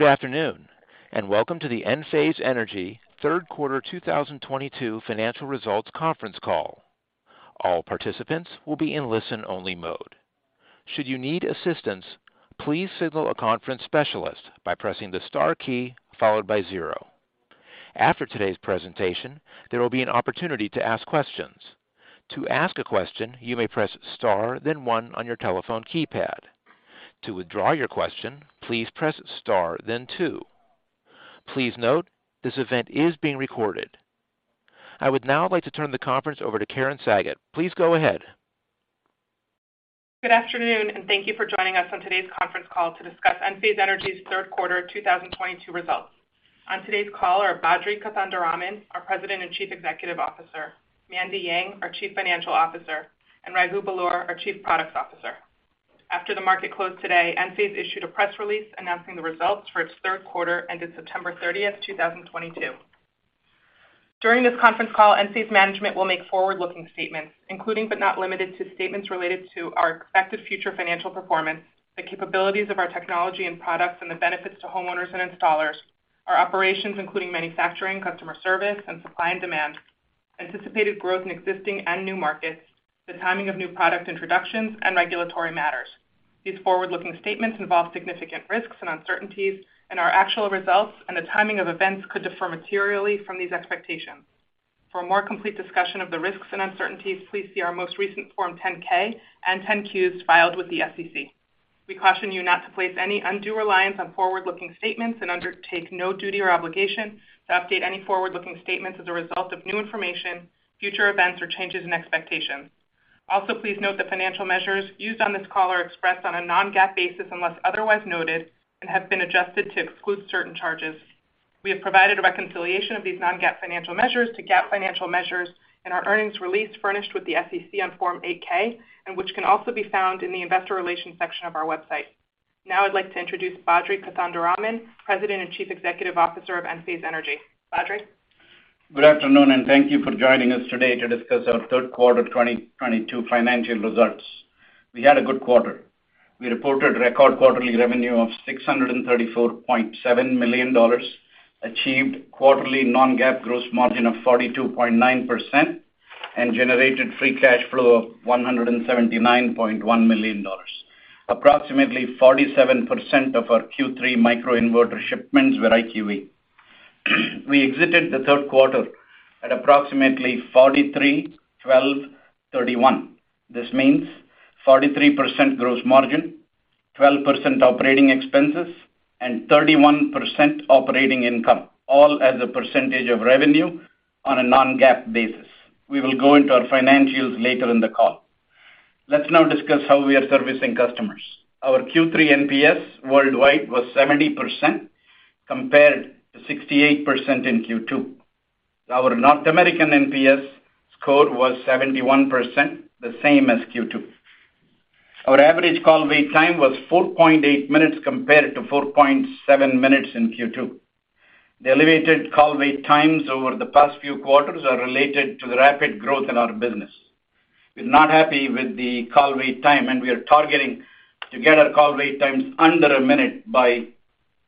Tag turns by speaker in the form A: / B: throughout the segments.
A: Good afternoon, and welcome to the Enphase Energy Third Quarter 2022 Financial Results Conference Call. All participants will be in listen-only mode. Should you need assistance, please signal a conference specialist by pressing the star key followed by zero. After today's presentation, there will be an opportunity to ask questions. To ask a question, you may press star then one on your telephone keypad. To withdraw your question, please press star then two. Please note, this event is being recorded. I would now like to turn the conference over to Karen Sagot. Please go ahead.
B: Good afternoon, and thank you for joining us on today's conference call to discuss Enphase Energy's third quarter 2022 results. On today's call are Badri Kothandaraman, our President and Chief Executive Officer, Mandy Yang, our Chief Financial Officer, and Raghu Belur, our Chief Products Officer. After the market closed today, Enphase issued a press release announcing the results for its third quarter ended September 30th, 2022. During this conference call, Enphase management will make forward-looking statements, including but not limited to statements related to our expected future financial performance, the capabilities of our technology and products and the benefits to homeowners and installers, our operations, including manufacturing, customer service, and supply and demand, anticipated growth in existing and new markets, the timing of new product introductions, and regulatory matters. These forward-looking statements involve significant risks and uncertainties, and our actual results and the timing of events could differ materially from these expectations. For a more complete discussion of the risks and uncertainties, please see our most recent Form 10-K and 10-Qs filed with the SEC. We caution you not to place any undue reliance on forward-looking statements and undertake no duty or obligation to update any forward-looking statements as a result of new information, future events, or changes in expectations. Also, please note that financial measures used on this call are expressed on a non-GAAP basis unless otherwise noted and have been adjusted to exclude certain charges. We have provided a reconciliation of these non-GAAP financial measures to GAAP financial measures in our earnings release furnished with the SEC on Form 8-K and which can also be found in the investor relations section of our website. Now I'd like to introduce Badri Kothandaraman, President and Chief Executive Officer of Enphase Energy. Badri.
C: Good afternoon, and thank you for joining us today to discuss our third quarter 2022 financial results. We had a good quarter. We reported record quarterly revenue of $634.7 million, achieved quarterly non-GAAP gross margin of 42.9%, and generated free cash flow of $179.1 million. Approximately 47% of our Q3 microinverter shipments were IQ8. We exited the third quarter at approximately 43/12/31. This means 43% gross margin, 12% operating expenses, and 31% operating income, all as a percentage of revenue on a non-GAAP basis. We will go into our financials later in the call. Let's now discuss how we are servicing customers. Our Q3 NPS worldwide was 70% compared to 68% in Q2. Our North American NPS score was 71%, the same as Q2. Our average call wait time was 4.8 minutes compared to 4.7 minutes in Q2. The elevated call wait times over the past few quarters are related to the rapid growth in our business. We're not happy with the call wait time, and we are targeting to get our call wait times under a minute by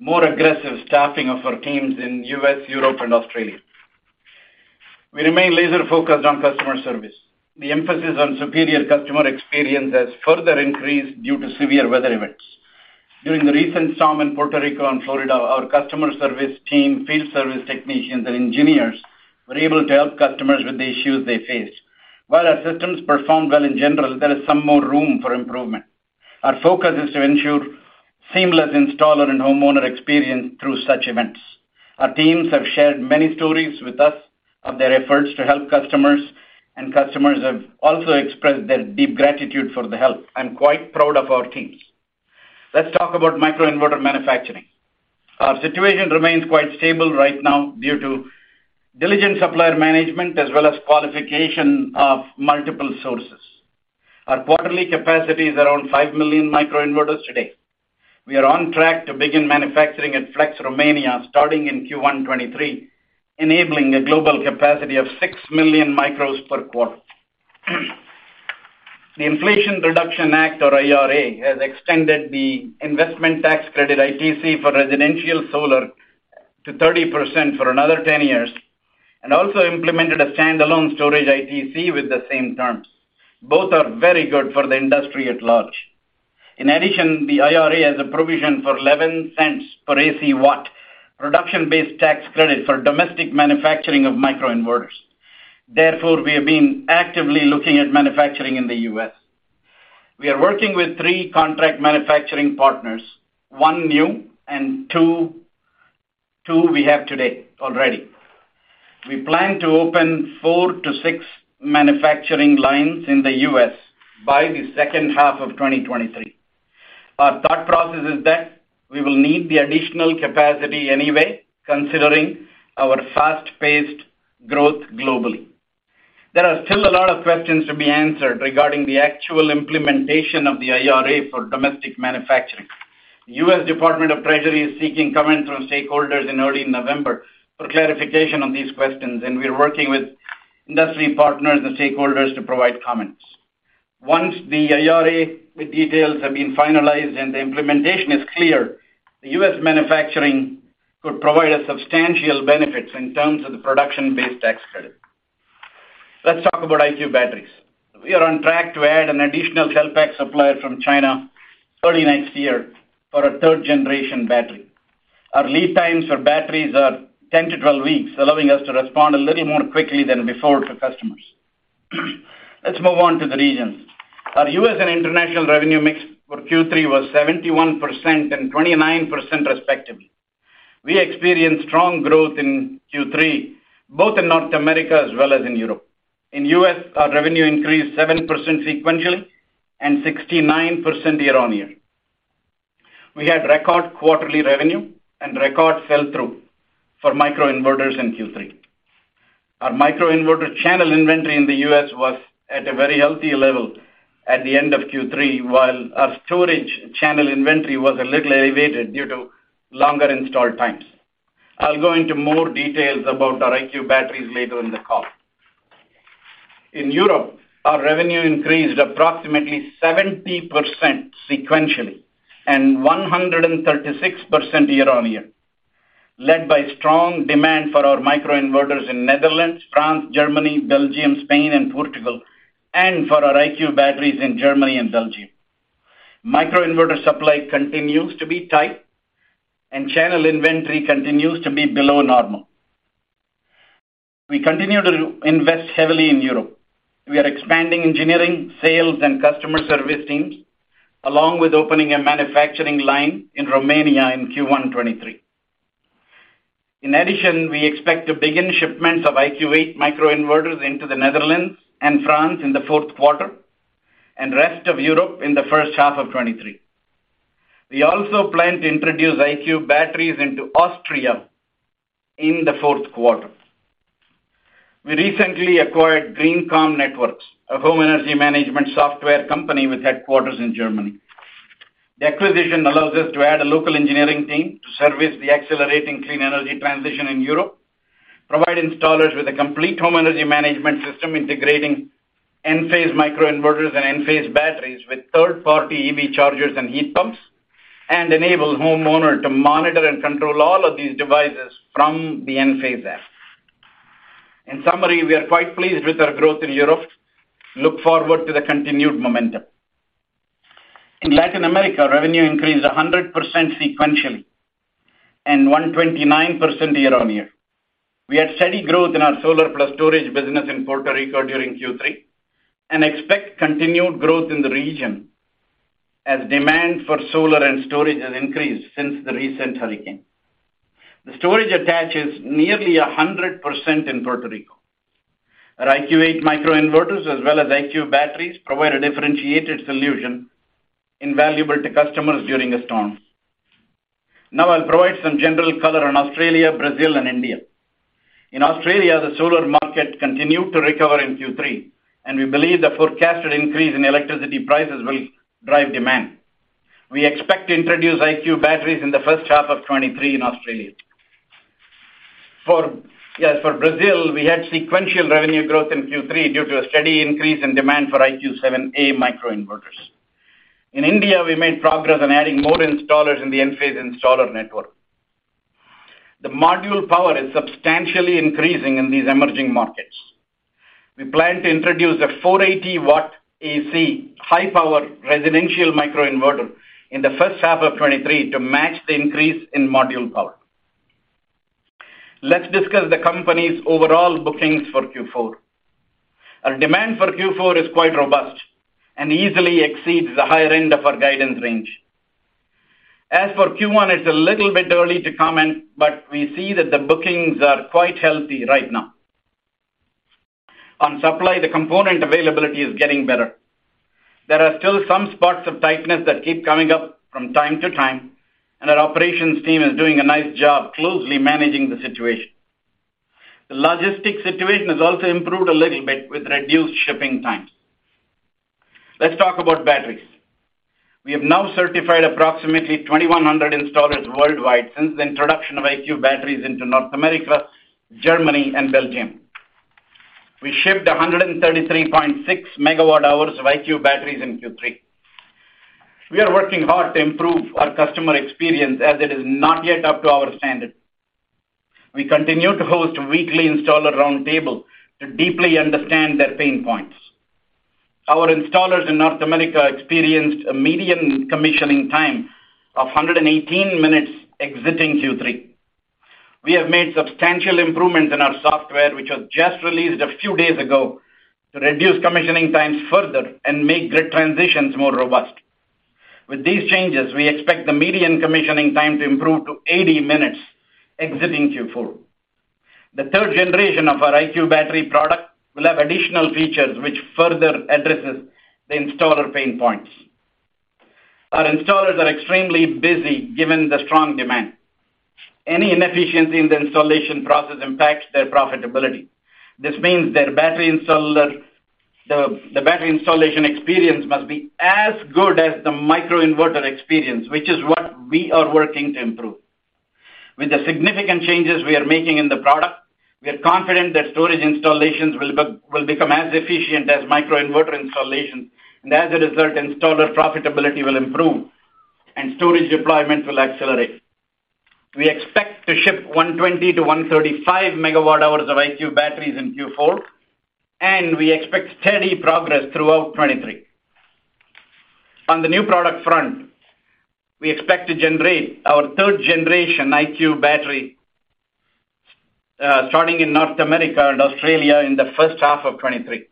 C: more aggressive staffing of our teams in U.S., Europe, and Australia. We remain laser-focused on customer service. The emphasis on superior customer experience has further increased due to severe weather events. During the recent storm in Puerto Rico and Florida, our customer service team, field service technicians, and engineers were able to help customers with the issues they faced. While our systems performed well in general, there is some more room for improvement. Our focus is to ensure seamless installer and homeowner experience through such events. Our teams have shared many stories with us of their efforts to help customers, and customers have also expressed their deep gratitude for the help. I'm quite proud of our teams. Let's talk about microinverter manufacturing. Our situation remains quite stable right now due to diligent supplier management as well as qualification of multiple sources. Our quarterly capacity is around 5 million microinverters today. We are on track to begin manufacturing at Flex Romania starting in Q1 2023, enabling a global capacity of 6 million micros per quarter. The Inflation Reduction Act, or IRA, has extended the investment tax credit, ITC, for residential solar to 30% for another 10 years and also implemented a standalone storage ITC with the same terms. Both are very good for the industry at large. In addition, the IRA has a provision for $0.11 per AC watt production-based tax credit for domestic manufacturing of microinverters. Therefore, we have been actively looking at manufacturing in the U.S. We are working with three contract manufacturing partners, one new and two we have today already. We plan to open four to six manufacturing lines in the U.S. by the second half of 2023. Our thought process is that we will need the additional capacity anyway, considering our fast-paced growth globally. There are still a lot of questions to be answered regarding the actual implementation of the IRA for domestic manufacturing. U.S. Department of the Treasury is seeking comments from stakeholders in early November for clarification on these questions, and we're working with industry partners and stakeholders to provide comments. Once the IRA details have been finalized and the implementation is clear, the U.S. manufacturing could provide us substantial benefits in terms of the production-based tax credit. Let's talk about IQ Batteries. We are on track to add an additional cell pack supplier from China early next year for our third generation battery. Our lead times for batteries are 10-12 weeks, allowing us to respond a little more quickly than before to customers. Let's move on to the regions. Our U.S. and international revenue mix for Q3 was 71% and 29% respectively. We experienced strong growth in Q3, both in North America as well as in Europe. In U.S., our revenue increased 7% sequentially and 69% year-on-year. We had record quarterly revenue and record sell-through for microinverters in Q3. Our microinverter channel inventory in the U.S. was at a very healthy level at the end of Q3, while our storage channel inventory was a little elevated due to longer install times. I'll go into more details about our IQ Batteries later in the call. In Europe, our revenue increased approximately 70% sequentially and 136% year-on-year, led by strong demand for our microinverters in Netherlands, France, Germany, Belgium, Spain, and Portugal, and for our IQ Batteries in Germany and Belgium. Microinverter supply continues to be tight and channel inventory continues to be below normal. We continue to invest heavily in Europe. We are expanding engineering, sales, and customer service teams, along with opening a manufacturing line in Romania in Q1 2023. In addition, we expect to begin shipments of IQ8 Microinverters into the Netherlands and France in the fourth quarter and rest of Europe in the first half of 2023. We also plan to introduce IQ Batteries into Austria in the fourth quarter. We recently acquired GreenCom Networks, a home energy management software company with headquarters in Germany. The acquisition allows us to add a local engineering team to service the accelerating clean energy transition in Europe, provide installers with a complete home energy management system, integrating Enphase microinverters and Enphase batteries with third-party EV chargers and heat pumps, and enable homeowner to monitor and control all of these devices from the Enphase app. In summary, we are quite pleased with our growth in Europe. Look forward to the continued momentum. In Latin America, revenue increased 100% sequentially and 129% year-on-year. We had steady growth in our solar plus storage business in Puerto Rico during Q3 and expect continued growth in the region as demand for solar and storage has increased since the recent hurricane. The storage attach is nearly 100% in Puerto Rico. IQ8 Microinverters as well as IQ Batteries provide a differentiated solution, invaluable to customers during a storm. Now I'll provide some general color on Australia, Brazil and India. In Australia, the solar market continued to recover in Q3, and we believe the forecasted increase in electricity prices will drive demand. We expect to introduce IQ Batteries in the first half of 2023 in Australia. For Brazil, we had sequential revenue growth in Q3 due to a steady increase in demand for IQ7A Microinverters. In India, we made progress on adding more installers in the Enphase Installer Network. The module power is substantially increasing in these emerging markets. We plan to introduce a 480 W AC high-power residential microinverter in the first half of 2023 to match the increase in module power. Let's discuss the company's overall bookings for Q4. Our demand for Q4 is quite robust and easily exceeds the higher end of our guidance range. As for Q1, it's a little bit early to comment, but we see that the bookings are quite healthy right now. On supply, the component availability is getting better. There are still some spots of tightness that keep coming up from time to time, and our operations team is doing a nice job closely managing the situation. The logistics situation has also improved a little bit with reduced shipping times. Let's talk about batteries. We have now certified approximately 2,100 installers worldwide since the introduction of IQ Batteries into North America, Germany and Belgium. We shipped 133.6 MWh of IQ Batteries in Q3. We are working hard to improve our customer experience as it is not yet up to our standard. We continue to host weekly installer round table to deeply understand their pain points. Our installers in North America experienced a median commissioning time of 118 minutes exiting Q3. We have made substantial improvements in our software, which was just released a few days ago, to reduce commissioning times further and make grid transitions more robust. With these changes, we expect the median commissioning time to improve to 80 minutes exiting Q4. The third generation of our IQ Battery product will have additional features which further addresses the installer pain points. Our installers are extremely busy given the strong demand. Any inefficiency in the installation process impacts their profitability. This means their battery installation experience must be as good as the microinverter experience, which is what we are working to improve. With the significant changes we are making in the product, we are confident that storage installations will become as efficient as microinverter installations. As a result, installer profitability will improve, and storage deployment will accelerate. We expect to ship 120 MWh-135 MWh of IQ Batteries in Q4, and we expect steady progress throughout 2023. On the new product front, we expect to generate our third generation IQ Battery starting in North America and Australia in the first half of 2023.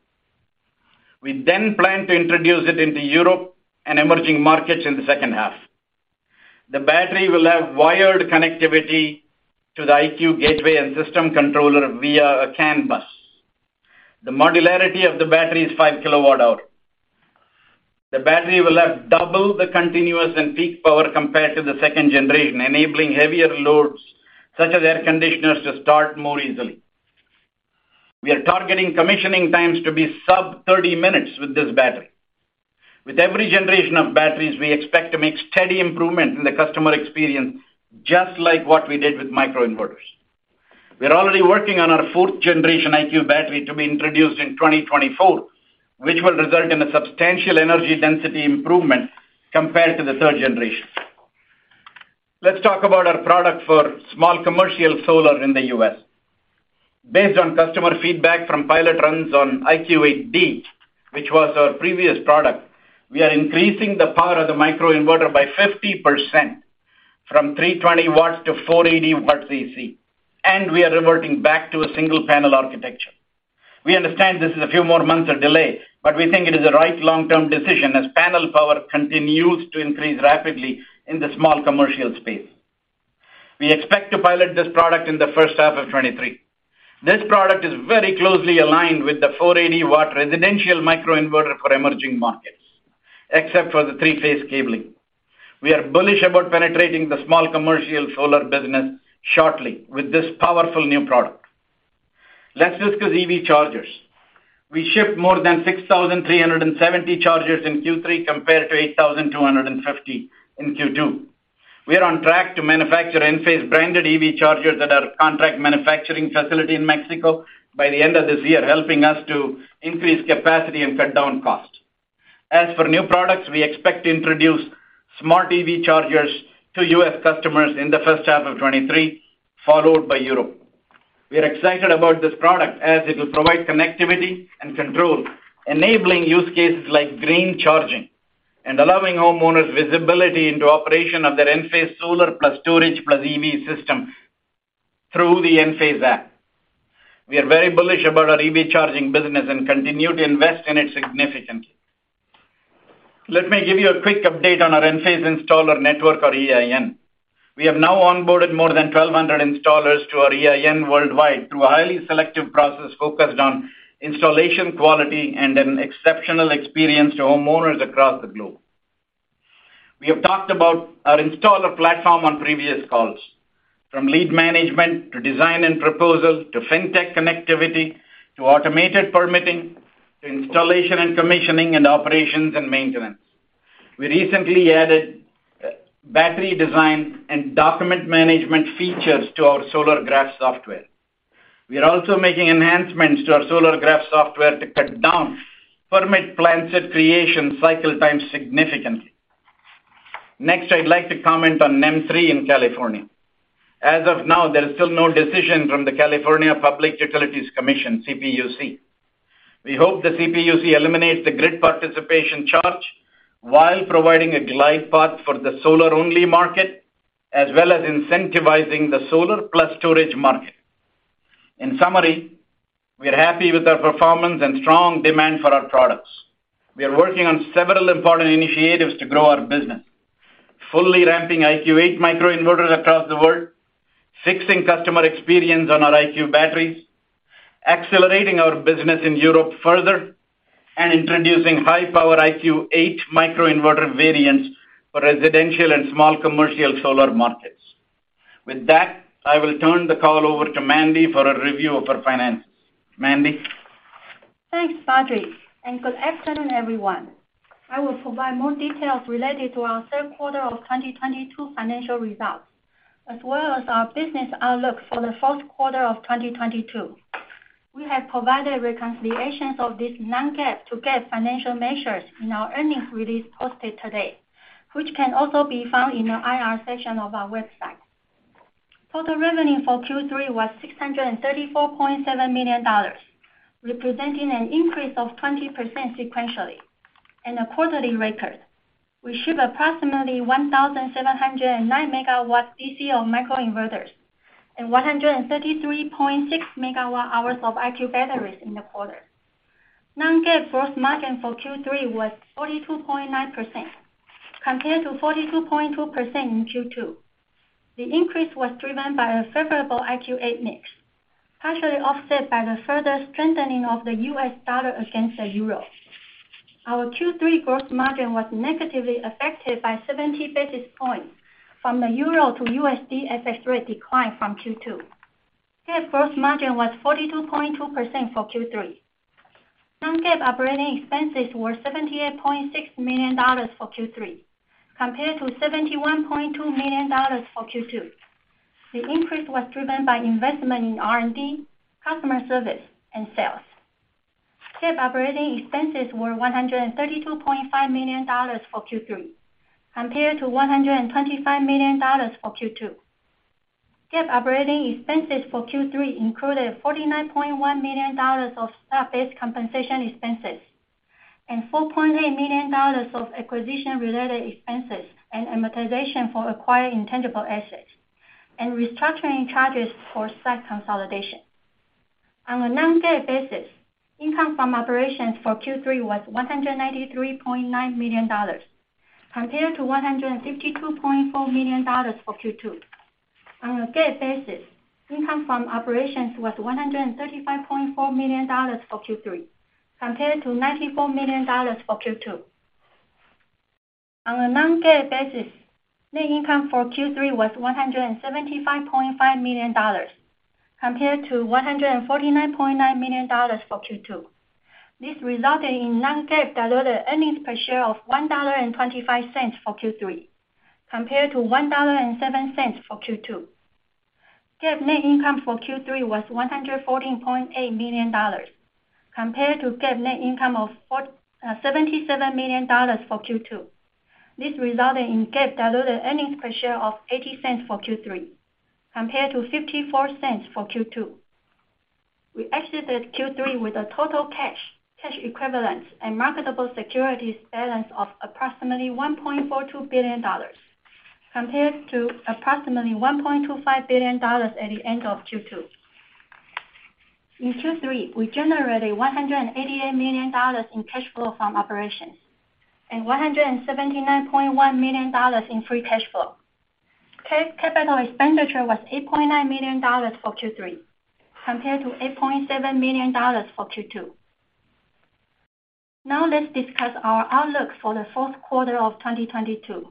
C: We then plan to introduce it into Europe and emerging markets in the second half. The battery will have wired connectivity to the IQ Gateway and system controller via a CAN bus. The modularity of the battery is 5 kWh. The battery will have double the continuous and peak power compared to the second generation, enabling heavier loads such as air conditioners to start more easily. We are targeting commissioning times to be sub 30 minutes with this battery. With every generation of batteries, we expect to make steady improvement in the customer experience, just like what we did with microinverters. We are already working on our fourth generation IQ Battery to be introduced in 2024, which will result in a substantial energy density improvement compared to the third generation. Let's talk about our product for small commercial solar in the U.S. Based on customer feedback from pilot runs on IQ8D, which was our previous product, we are increasing the power of the microinverter by 50% from 320 W to 480 W AC, and we are reverting back to a single panel architecture. We understand this is a few more months of delay, but we think it is the right long-term decision as panel power continues to increase rapidly in the small commercial space. We expect to pilot this product in the first half of 2023. This product is very closely aligned with the 480 W residential microinverter for emerging markets, except for the three-phase cabling. We are bullish about penetrating the small commercial solar business shortly with this powerful new product. Let's discuss EV chargers. We shipped more than 6,370 chargers in Q3 compared to 8,250 in Q2. We are on track to manufacture Enphase-branded EV chargers at our contract manufacturing facility in Mexico by the end of this year, helping us to increase capacity and cut down costs. As for new products, we expect to introduce smart EV chargers to U.S. customers in the first half of 2023, followed by Europe. We are excited about this product as it will provide connectivity and control, enabling use cases like green charging and allowing homeowners visibility into operation of their Enphase solar plus storage plus EV system through the Enphase app. We are very bullish about our EV charging business and continue to invest in it significantly. Let me give you a quick update on our Enphase Installer Network or EIN. We have now onboarded more than 1,200 installers to our EIN worldwide through a highly selective process focused on installation quality and an exceptional experience to homeowners across the globe. We have talked about our installer platform on previous calls, from lead management to design and proposals, to fintech connectivity, to automated permitting, to installation and commissioning and operations and maintenance. We recently added battery design and document management features to our Solargraf software. We are also making enhancements to our Solargraf software to cut down permit plan set creation cycle time significantly. Next, I'd like to comment on NEM 3.0 in California. As of now, there is still no decision from the California Public Utilities Commission, CPUC. We hope the CPUC eliminates the grid participation charge while providing a glide path for the solar-only market, as well as incentivizing the solar plus storage market. In summary, we are happy with our performance and strong demand for our products. We are working on several important initiatives to grow our business. Fully IQ8 Microinverters across the world, fixing customer experience on our IQ Batteries, accelerating our business in Europe further, and introducing high-power IQ8 Microinverter variants for residential and small commercial solar markets. With that, I will turn the call over to Mandy for a review of our finances. Mandy?
D: Thanks, Badri, and good afternoon, everyone. I will provide more details related to our third quarter of 2022 financial results, as well as our business outlook for the fourth quarter of 2022. We have provided reconciliations of this non-GAAP to GAAP financial measures in our earnings release posted today, which can also be found in the IR section of our website. Total revenue for Q3 was $634.7 million, representing an increase of 20% sequentially and a quarterly record. We ship approximately 1,709 MW DC of microinverters and 133.6 MWh of IQ Battery in the quarter. Non-GAAP gross margin for Q3 was 42.9% compared to 42.2% in Q2. The increase was driven by a favorable IQ8 mix, partially offset by the further strengthening of the U.S. dollar against the euro. Our Q3 gross margin was negatively affected by 70 basis points from the euro to USD FX rate decline from Q2. GAAP gross margin was 42.2% for Q3. non-GAAP operating expenses were $78.6 million for Q3 compared to $71.2 million for Q2. The increase was driven by investment in R&D, customer service, and sales. GAAP operating expenses were $132.5 million for Q3 compared to $125 million for Q2. GAAP operating expenses for Q3 included $49.1 million of stock-based compensation expenses and $4.8 million of acquisition-related expenses and amortization for acquired intangible assets and restructuring charges for site consolidation. On a non-GAAP basis, income from operations for Q3 was $193.9 million compared to $152.4 million for Q2. On a GAAP basis, income from operations was $135.4 million for Q3 compared to $94 million for Q2. On a non-GAAP basis, net income for Q3 was $175.5 million compared to $149.9 million for Q2. This resulted in non-GAAP diluted earnings per share of $1.25 for Q3 compared to $1.07 for Q2. GAAP net income for Q3 was $114.8 million compared to GAAP net income of $47 million for Q2. This resulted in GAAP diluted earnings per share of $0.80 for Q3 compared to $0.54 for Q2. We exited Q3 with a total cash equivalents, and marketable securities balance of approximately $1.42 billion compared to approximately $1.25 billion at the end of Q2. In Q3, we generated $188 million in cash flow from operations and $179.1 million in free cash flow. Capital expenditure was $8.9 million for Q3 compared to $8.7 million for Q2. Now let's discuss our outlook for the fourth quarter of 2022.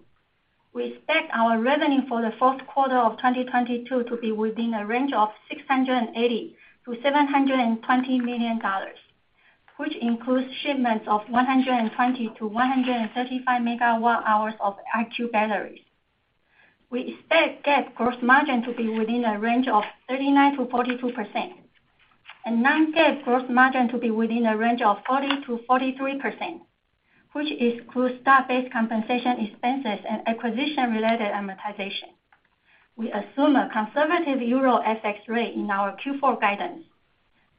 D: We expect our revenue for the fourth quarter of 2022 to be within a range of $680 million-$720 million, which includes shipments of 120 MWh-135 MWh of IQ Battery. We expect GAAP gross margin to be within a range of 39%-42% and non-GAAP gross margin to be within a range of 40%-43%, which excludes stock-based compensation expenses and acquisition-related amortization. We assume a conservative euro FX rate in our Q4 guidance,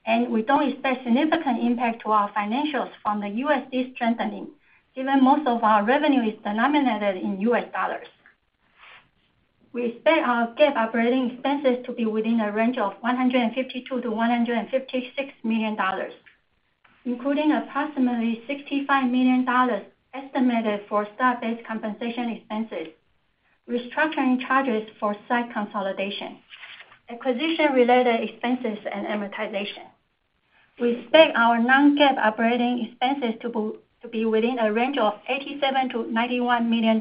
D: and we don't expect significant impact to our financials from the USD strengthening, given most of our revenue is denominated in U.S. dollars. We expect our GAAP operating expenses to be within a range of $152 million-$156 million, including approximately $65 million estimated for stock-based compensation expenses, restructuring charges for site consolidation, acquisition-related expenses, and amortization. We expect our non-GAAP operating expenses to be within a range of $87 million-$91 million.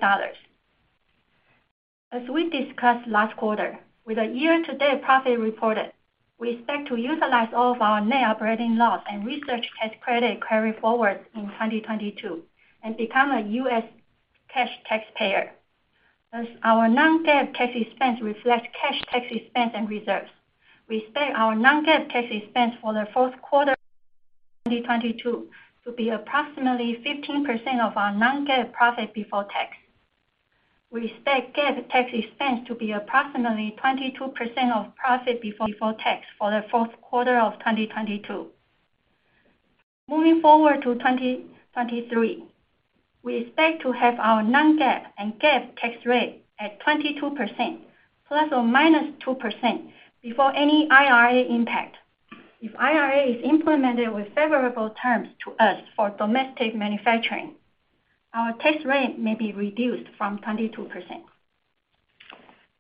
D: As we discussed last quarter, with the year-to-date profit reported, we expect to utilize all of our net operating loss and research tax credit carryforward in 2022 and become a U.S. cash taxpayer. As our non-GAAP tax expense reflects cash tax expense and reserves, we expect our non-GAAP tax expense for the fourth quarter of 2022 to be approximately 15% of our non-GAAP profit before tax. We expect GAAP tax expense to be approximately 22% of profit before tax for the fourth quarter of 2022. Moving forward to 2023, we expect to have our non-GAAP and GAAP tax rate at 22%, ±2% before any IRA impact. If IRA is implemented with favorable terms to us for domestic manufacturing, our tax rate may be reduced from 22%.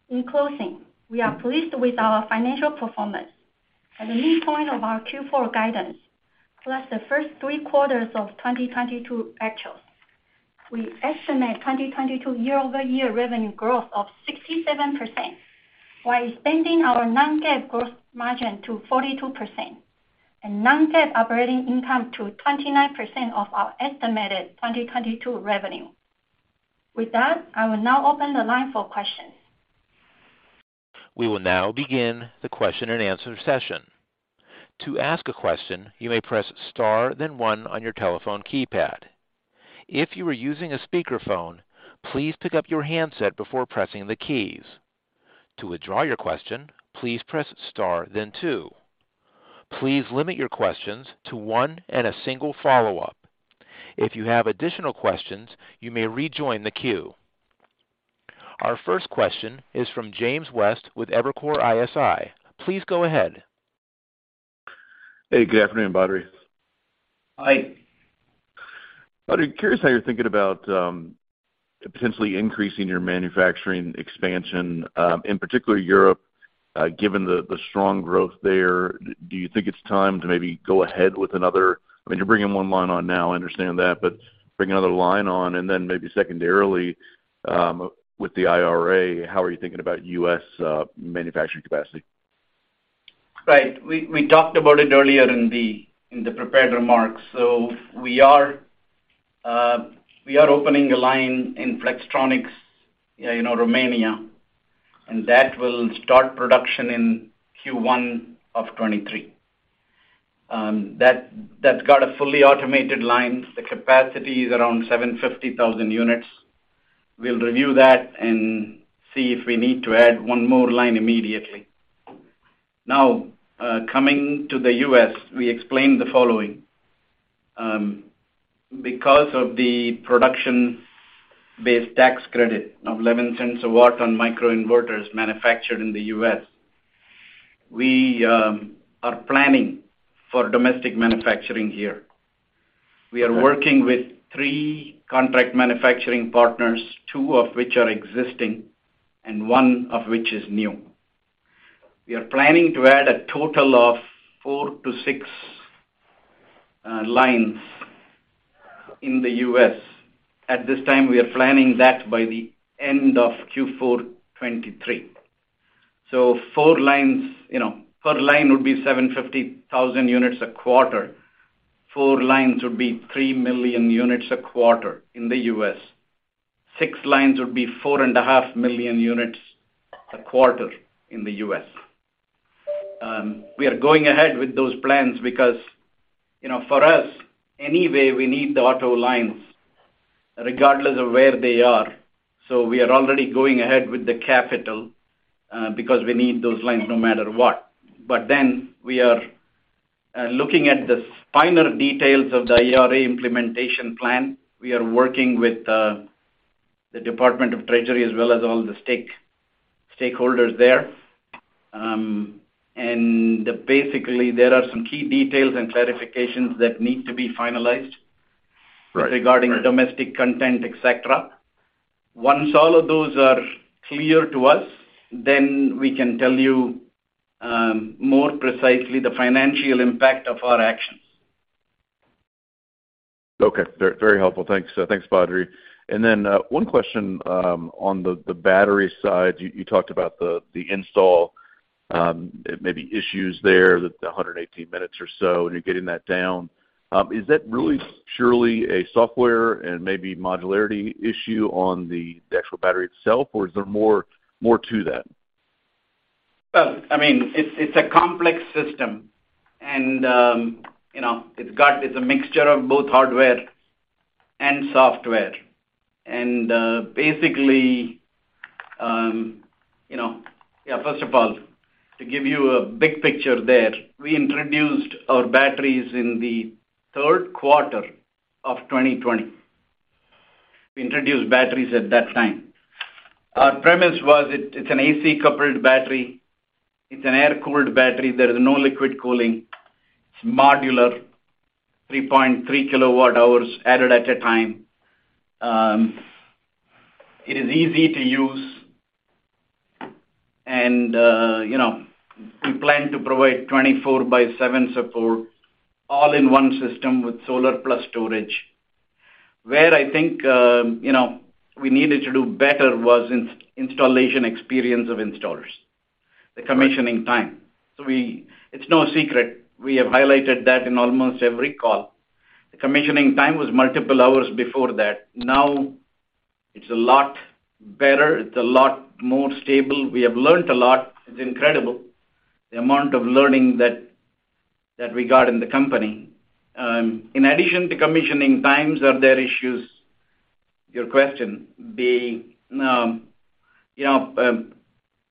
D: In closing, we are pleased with our financial performance. At the midpoint of our Q4 guidance, plus the first three quarters of 2022 actuals, we estimate 2022 year-over-year revenue growth of 67% while expanding our non-GAAP gross margin to 42% and non-GAAP operating income to 29% of our estimated 2022 revenue. With that, I will now open the line for questions.
A: We will now begin the question-and-answer session. To ask a question, you may press star then one on your telephone keypad. If you are using a speakerphone, please pick up your handset before pressing the keys. To withdraw your question, please press star then two. Please limit your questions to one and a single follow-up. If you have additional questions, you may rejoin the queue. Our first question is from James West with Evercore ISI. Please go ahead.
E: Hey, good afternoon, Badri.
C: Hi.
E: Badri, curious how you're thinking about potentially increasing your manufacturing expansion, in particular Europe, given the strong growth there. Do you think it's time to maybe go ahead with another? I mean, you're bringing one line on now, I understand that, but bring another line on. Then maybe secondarily, with the IRA, how are you thinking about U.S. manufacturing capacity?
C: Right. We talked about it earlier in the prepared remarks. We are opening a line in Flex Romania, you know, and that will start production in Q1 of 2023. That's got a fully automated line. The capacity is around 750,000 units. We'll review that and see if we need to add one more line immediately. Now, coming to the U.S., we explained the following. Because of the production-based tax credit of $0.11 a watt on microinverters manufactured in the U.S., we are planning for domestic manufacturing here. We are working with three contract manufacturing partners, two of which are existing and one of which is new. We are planning to add a total of four to six lines in the U.S. At this time, we are planning that by the end of Q4 2023. Four lines, you know, per line would be 750,000 units a quarter. Four lines would be 3 million units a quarter in the U.S. Six lines would be 4.5 million units a quarter in the U.S. We are going ahead with those plans because, you know, for us, anyway, we need the auto lines regardless of where they are. We are already going ahead with the capital because we need those lines no matter what. We are looking at the finer details of the IRA implementation plan. We are working with the U.S. Department of the Treasury as well as all the stakeholders there. Basically, there are some key details and clarifications that need to be finalized.
E: Right.
C: Regarding domestic content, et cetera. Once all of those are clear to us, then we can tell you more precisely the financial impact of our actions.
E: Okay. Very helpful. Thanks. Thanks, Badri. One question on the battery side. You talked about the install maybe issues there, the 118 minutes or so, and you're getting that down. Is that really surely a software and maybe modularity issue on the actual battery itself, or is there more to that?
C: Well, I mean, it's a complex system and, you know, it's got. It's a mixture of both hardware and software. Basically, you know. Yeah, first of all, to give you a big picture there, we introduced our batteries in the third quarter of 2020. We introduced batteries at that time. Our premise was it's an AC-coupled battery. It's an air-cooled battery. There is no liquid cooling. It's modular, 3.3 KWh added at a time. It is easy to use. You know, we plan to provide 24/7 support all-in-one system with solar plus storage. Where I think, you know, we needed to do better was in installation experience of installers, the commissioning time. It's no secret. We have highlighted that in almost every call. The commissioning time was multiple hours before that. Now it's a lot better. It's a lot more stable. We have learned a lot. It's incredible the amount of learning that we got in the company. In addition to commissioning times, are there issues, your question, being, you know,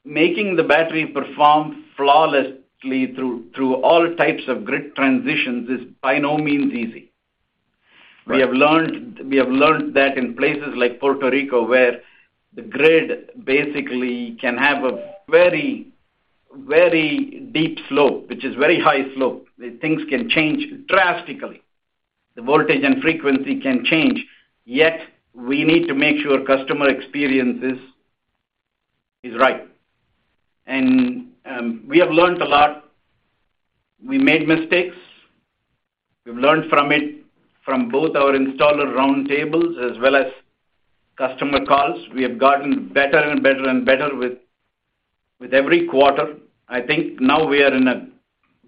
C: making the battery perform flawlessly through all types of grid transitions is by no means easy.
E: Right.
C: We have learned that in places like Puerto Rico, where the grid basically can have a very, very deep slope, which is very high slope, things can change drastically. The voltage and frequency can change. Yet we need to make sure customer experiences is right. We have learned a lot. We made mistakes. We've learned from it, from both our installer roundtables as well as customer calls. We have gotten better and better and better with every quarter. I think now we are in a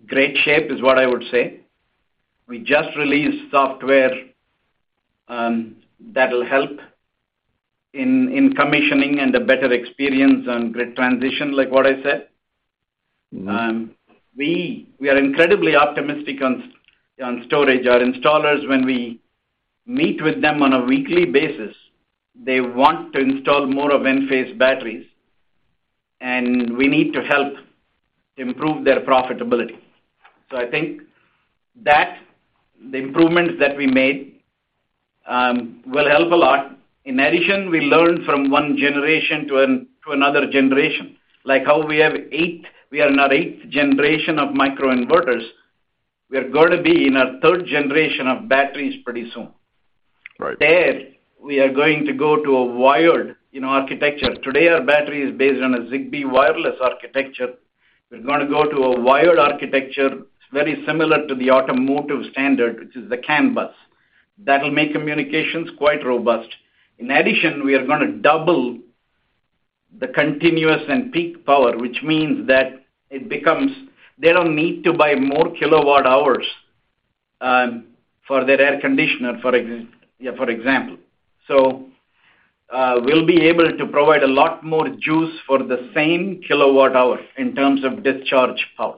C: great shape, is what I would say. We just released software that'll help in commissioning and a better experience on grid transition, like what I said. We are incredibly optimistic on storage. Our installers, when we meet with them on a weekly basis, they want to install more of Enphase batteries, and we need to help improve their profitability. I think that the improvements that we made will help a lot. In addition, we learn from one generation to another generation. Like how we have eighth, we are in our eighth generation of microinverters. We're gonna be in our third generation of batteries pretty soon.
E: Right.
C: Then, we are going to go to a wired, you know, architecture. Today, our battery is based on a Zigbee wireless architecture. We're gonna go to a wired architecture. It's very similar to the automotive standard, which is the CAN bus. That'll make communications quite robust. In addition, we are gonna double the continuous and peak power, which means that they don't need to buy more kilowatt-hours for their air conditioner, for example. We'll be able to provide a lot more juice for the same kilowatt hour in terms of discharge power.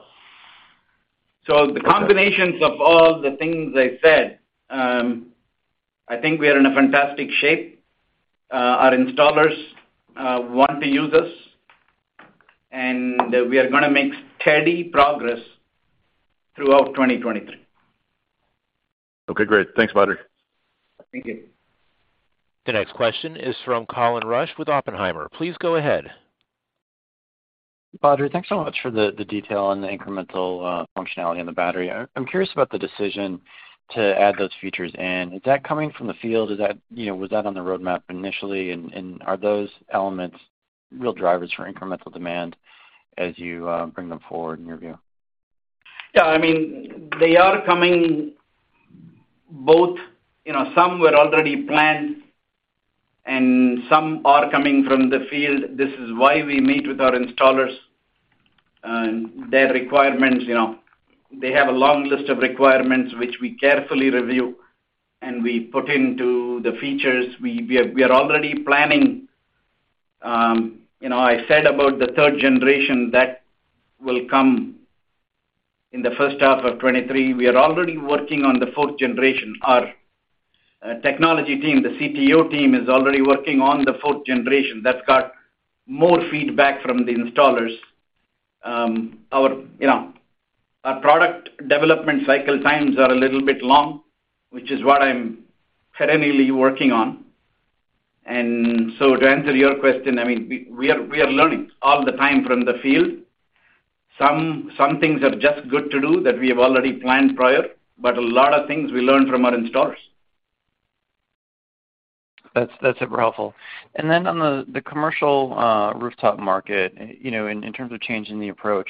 C: The combinations of all the things I said, I think we are in a fantastic shape. Our installers want to use us, and we are gonna make steady progress throughout 2023.
E: Okay, great. Thanks, Badri.
C: Thank you.
A: The next question is from Colin Rusch with Oppenheimer. Please go ahead.
F: Badri, thanks so much for the detail on the incremental functionality on the battery. I'm curious about the decision to add those features in. Is that coming from the field? You know, was that on the roadmap initially? Are those elements real drivers for incremental demand as you bring them forward in your view?
C: Yeah, I mean, they are coming both, you know, some were already planned and some are coming from the field. This is why we meet with our installers and their requirements, you know. They have a long list of requirements which we carefully review and we put into the features. We are already planning, you know, I said about the third generation that will come in the first half of 2023. We are already working on the fourth generation. Our technology team, the CTO team, is already working on the fourth generation. That's got more feedback from the installers. Our, you know, our product development cycle times are a little bit long, which is what I'm perennially working on. To answer your question, I mean, we are learning all the time from the field. Some things are just good to do that we have already planned prior, but a lot of things we learn from our installers.
F: That's super helpful. On the commercial rooftop market, you know, in terms of changing the approach,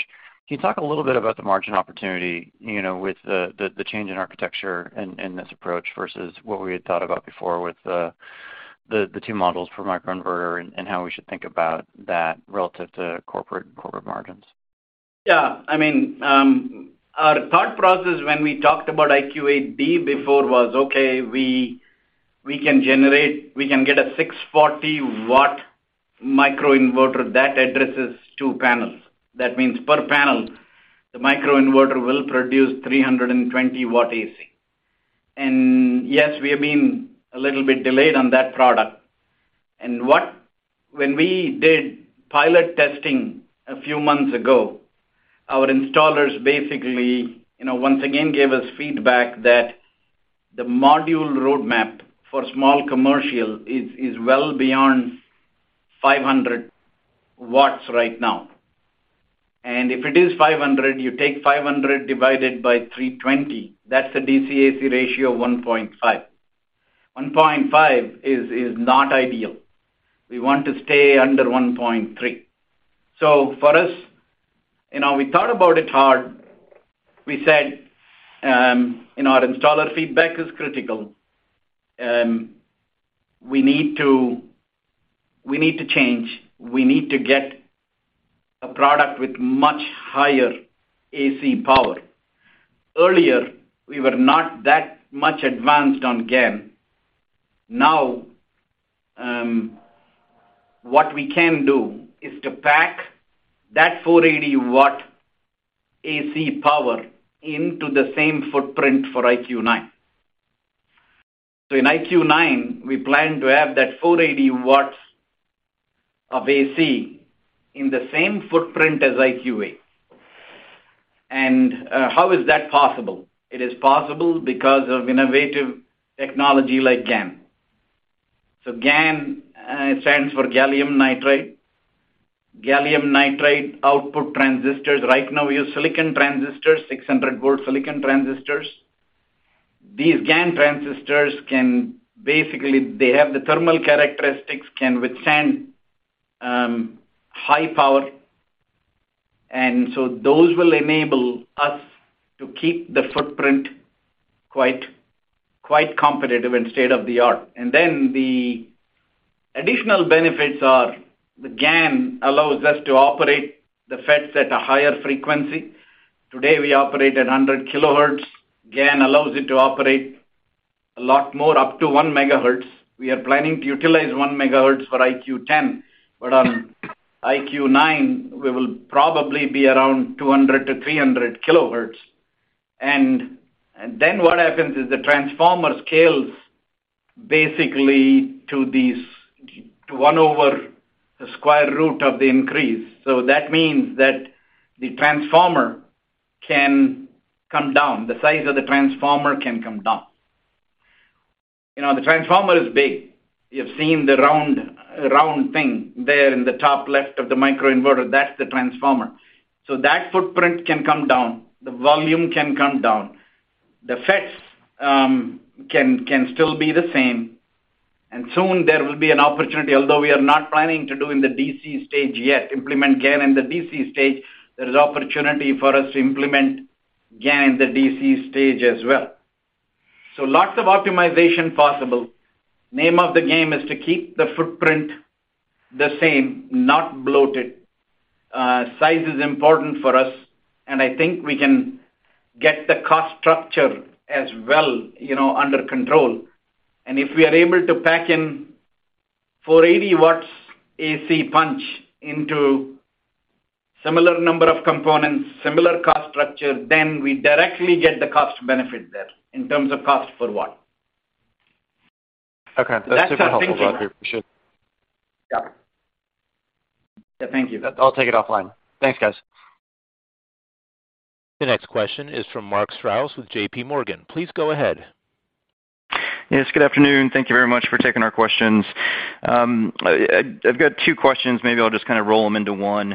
F: can you talk a little bit about the margin opportunity, you know, with the change in architecture and this approach versus what we had thought about before with the two models for microinverter and how we should think about that relative to corporate margins?
C: I mean, our thought process when we talked about IQ8D before was, okay, we can get a 640 W microinverter that addresses two panels. That means per panel, the microinverter will produce 320 W AC. Yes, we have been a little bit delayed on that product. When we did pilot testing a few months ago, our installers basically, you know, once again gave us feedback that the module roadmap for small commercial is well beyond 500 W right now. If it is 500 W, you take 500 W divided by 320 W, that's a DC-AC ratio of 1.5. 1.5 is not ideal. We want to stay under 1.3. For us, you know, we thought about it hard. We said, you know, our installer feedback is critical. We need to change. We need to get a product with much higher AC power. Earlier, we were not that much advanced on GaN. Now, what we can do is to pack that 480 W AC power into the same footprint for IQ9. In IQ9, we plan to have that 480 W of AC in the same footprint as IQ8. How is that possible? It is possible because of innovative technology like GaN. GaN stands for gallium nitride. Gallium nitride output transistors. Right now, we use silicon transistors, 600 V silicon transistors. These GaN transistors can basically, they have the thermal characteristics, can withstand high power. Those will enable us to keep the footprint quite competitive and state-of-the-art. The additional benefits are the GaN allows us to operate the FETs at a higher frequency. Today, we operate at 100 KHz. GaN allows it to operate a lot more up to 1 MHz. We are planning to utilize 1 MHz for IQ10. On IQ9, we will probably be around 200 KHz-300 KHz. What happens is the transformer scales basically to these, to one over the square root of the increase. That means that the transformer can come down. The size of the transformer can come down. You know, the transformer is big. You've seen the round thing there in the top left of the microinverter, that's the transformer. That footprint can come down, the volume can come down. The FETs can still be the same. Soon there will be an opportunity, although we are not planning to do in the DC stage yet, implement GaN in the DC stage, there is opportunity for us to implement GaN in the DC stage as well. Lots of optimization possible. Name of the game is to keep the footprint the same, not bloated. Size is important for us, and I think we can get the cost structure as well, you know, under control. If we are able to pack in 480 W AC punch into similar number of components, similar cost structure, then we directly get the cost benefit there in terms of cost per watt. That's our thinking there.
F: That's super helpful, Badri. Appreciate it.
C: Yeah.
F: Yeah, thank you. I'll take it offline. Thanks, guys.
A: The next question is from Mark Strouse with JPMorgan. Please go ahead.
G: Yes, good afternoon. Thank you very much for taking our questions. I've got two questions. Maybe I'll just kinda roll them into one.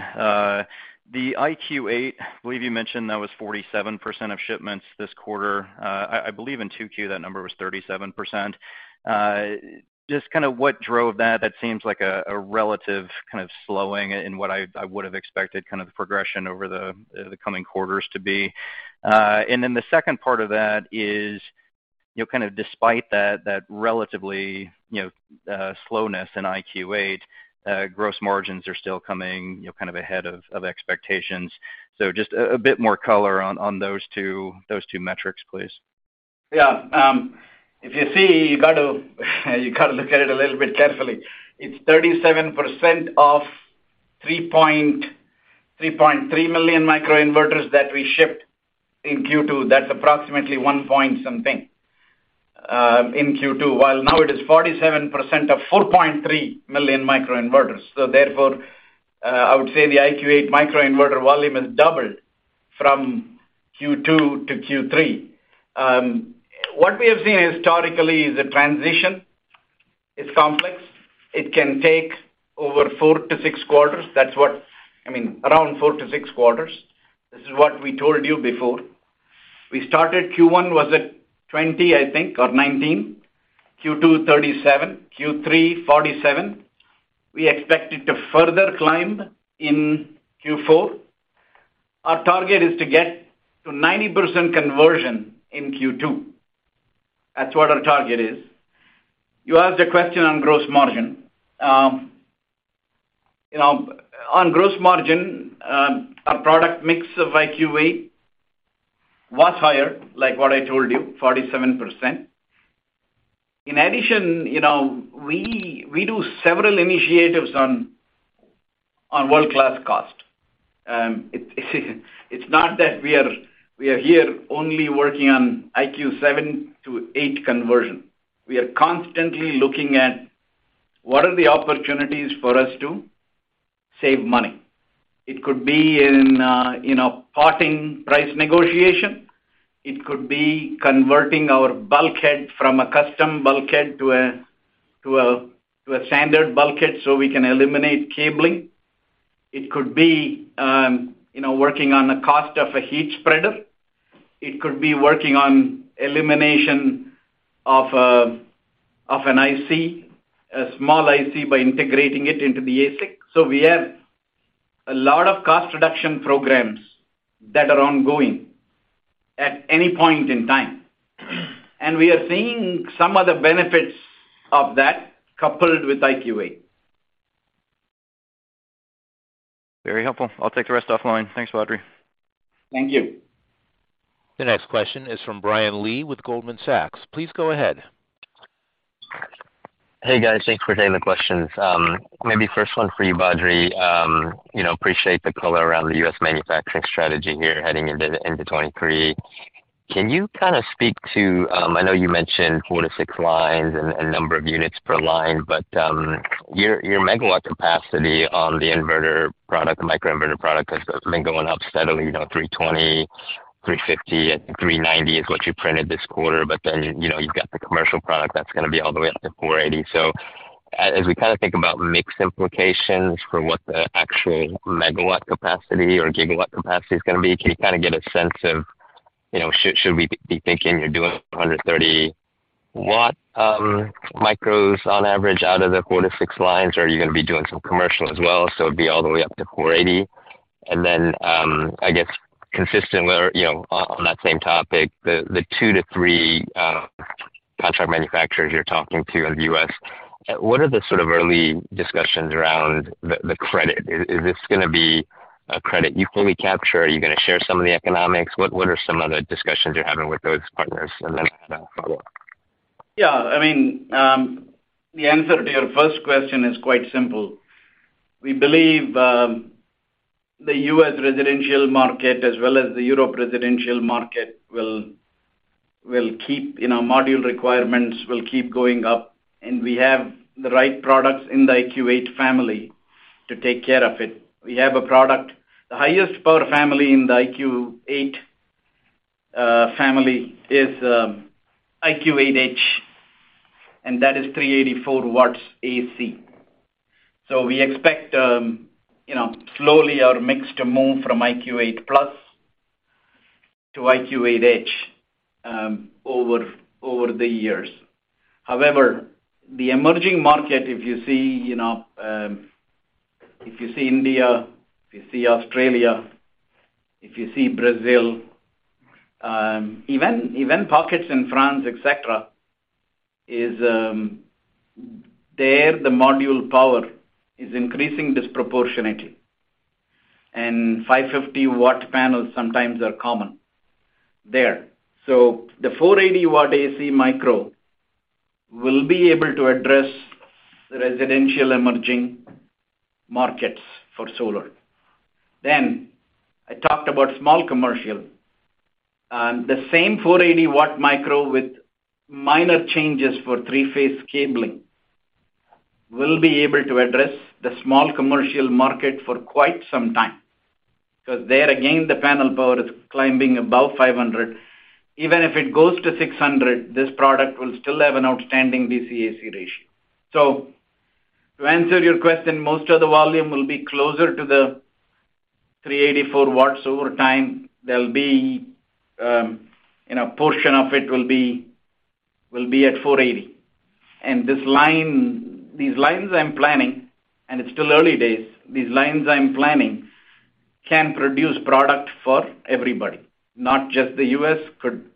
G: The IQ8, I believe you mentioned that was 47% of shipments this quarter. I believe in 2Q, that number was 37%. Just kinda what drove that? That seems like a relative kind of slowing in what I would've expected kind of the progression over the coming quarters to be. The second part of that is, you know, kind of despite that relatively, you know, slowness in IQ8, gross margins are still coming, you know, kind of ahead of expectations. Just a bit more color on those two metrics, please.
C: Yeah. If you see, you gotta look at it a little bit carefully. It's 37% of 3.3 million microinverters that we shipped in Q2. That's approximately one point something in Q2. While now it is 47% of 4.3 million microinverters. Therefore, I would say the IQ8 Microinverter volume has doubled from Q2 to Q3. What we have seen historically is the transition. It's complex. It can take over four to six quarters. That's what I mean, around four to six quarters. This is what we told you before. We started Q1, was it 20%, I think, or 19%. Q2, 37%. Q3, 47%. We expect it to further climb in Q4. Our target is to get to 90% conversion in Q2. That's what our target is. You asked a question on gross margin. You know, on gross margin, our product mix of IQ8 was higher, like what I told you, 47%. In addition, you know, we do several initiatives on world-class cost. It's not that we are here only working on IQ7 to IQ8 conversion. We are constantly looking at what are the opportunities for us to save money. It could be in, you know, part in price negotiation. It could be converting our bulkhead from a custom bulkhead to a standard bulkhead so we can eliminate cabling. It could be, you know, working on the cost of a heat spreader. It could be working on elimination of a small IC by integrating it into the ASIC. We have a lot of cost reduction programs that are ongoing at any point in time. We are seeing some of the benefits of that coupled with IQ8.
G: Very helpful. I'll take the rest offline. Thanks, Badri.
C: Thank you.
A: The next question is from Brian Lee with Goldman Sachs. Please go ahead.
H: Hey, guys. Thanks for taking the questions. Maybe first one for you, Badri. You know, appreciate the color around the U.S. manufacturing strategy here heading into 2023. Can you kinda speak to, I know you mentioned four to six lines and number of units per line, but your megawatt capacity on the inverter product, the microinverter product has been going up steadily, you know, 320 W, 350 W, I think 390 W is what you printed this quarter. But then, you know, you've got the commercial product that's gonna be all the way up to 480 W. As we kinda think about mix implications for what the actual megawatt capacity or gigawatt capacity is gonna be, can you kinda get a sense of, you know, should we be thinking you're doing 130 W micros on average out of the four to six lines, or are you gonna be doing some commercial as well, so it'd be all the way up to 480 W? I guess consistently or, you know, on that same topic, the two to three contract manufacturers you're talking to in the U.S., what are the sort of early discussions around the credit? Is this gonna be a credit you fully capture or are you gonna share some of the economics? What are some of the discussions you're having with those partners? I have a follow-up.
C: Yeah. I mean, the answer to your first question is quite simple. We believe, the U.S. residential market as well as the European residential market will keep, you know, module requirements will keep going up, and we have the right products in the IQ8 family to take care of it. We have a product. The highest power family in the IQ8 family is IQ8H, and that is 384 W AC. So we expect, you know, slowly our mix to move from IQ8+ to IQ8H, over the years. However, the emerging market, if you see, you know, if you see India, if you see Australia, if you see Brazil, even pockets in France, et cetera, is there the module power is increasing disproportionately. 550 W panels sometimes are common there. The 480 W AC micro will be able to address residential emerging markets for solar. I talked about small commercial. The same 480 W micro with minor changes for three-phase cabling will be able to address the small commercial market for quite some time. 'Cause there again, the panel power is climbing above 500 W. Even if it goes to 600 W, this product will still have an outstanding DC-AC ratio. To answer your question, most of the volume will be closer to the 384 W over time. There'll be, you know, a portion of it will be at 480 W. These lines I'm planning, and it's still early days, can produce product for everybody. Not just the U.S., could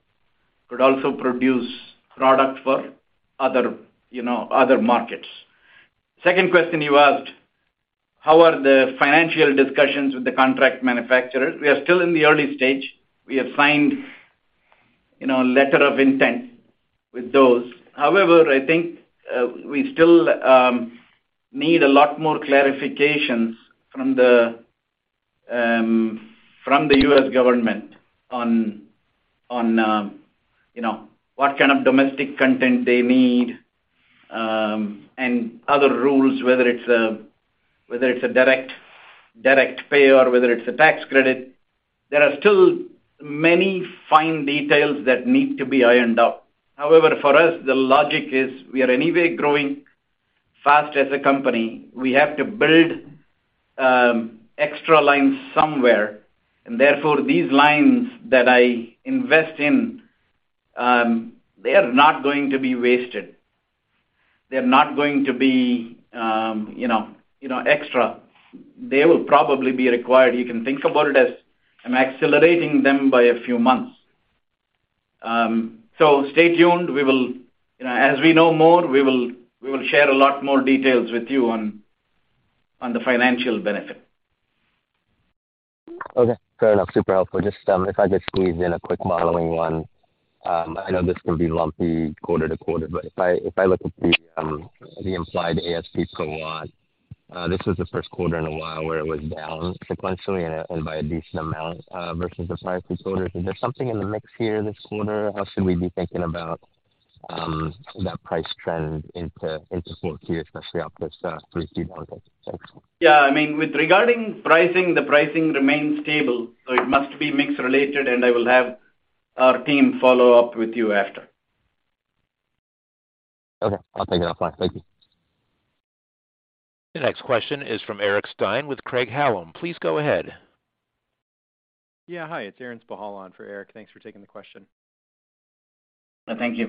C: also produce product for other, you know, other markets. Second question you asked, how are the financial discussions with the contract manufacturer? We are still in the early stage. We have signed, you know, a letter of intent with those. However, I think, we still need a lot more clarifications from the U.S. government on, you know, what kind of domestic content they need, and other rules, whether it's a direct pay or whether it's a tax credit. There are still many fine details that need to be ironed out. However, for us, the logic is we are anyway growing fast as a company. We have to build extra lines somewhere. Therefore, these lines that I invest in, they are not going to be wasted. They're not going to be, you know, extra. They will probably be required. You can think about it as I'm accelerating them by a few months. Stay tuned. You know, as we know more, we will share a lot more details with you on the financial benefit.
H: Okay. Fair enough. Super helpful. Just, if I could squeeze in a quick modeling one. I know this can be lumpy quarter to quarter, but if I look at the implied ASP per watt, this was the first quarter in a while where it was down sequentially and by a decent amount versus the prior two quarters. Is there something in the mix here this quarter? How should we be thinking about that price trend into fourth quarter, especially after this pretty steep decline? Thanks.
C: Yeah, I mean, with regarding pricing, the pricing remains stable, so it must be mix related, and I will have our team follow up with you after.
H: Okay. I think that's fine. Thank you.
A: The next question is from Eric Stine with Craig-Hallum. Please go ahead.
I: Yeah. Hi, it's Aaron Spychalla on for Eric. Thanks for taking the question.
C: Thank you.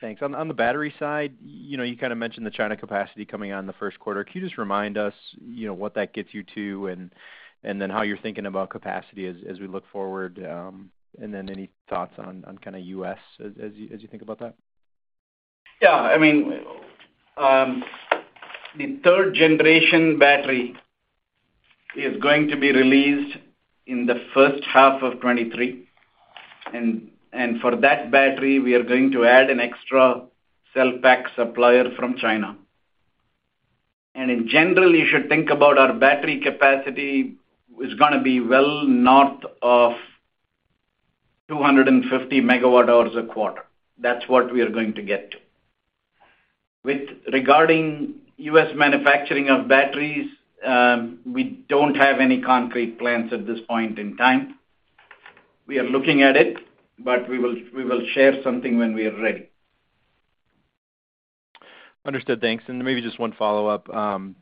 I: Thanks. On the battery side, you know, you kinda mentioned the China capacity coming on in the first quarter. Can you just remind us, you know, what that gets you to and then how you're thinking about capacity as we look forward, and then any thoughts on kinda U.S. as you think about that?
C: Yeah. I mean, the third generation battery is going to be released in the first half of 2023. For that battery, we are going to add an extra cell pack supplier from China. In general, you should think about our battery capacity is gonna be well north of 250 MWh a quarter. That's what we are going to get to. With regard to U.S. manufacturing of batteries, we don't have any concrete plans at this point in time. We are looking at it, but we will share something when we are ready.
I: Understood. Thanks. Maybe just one follow-up.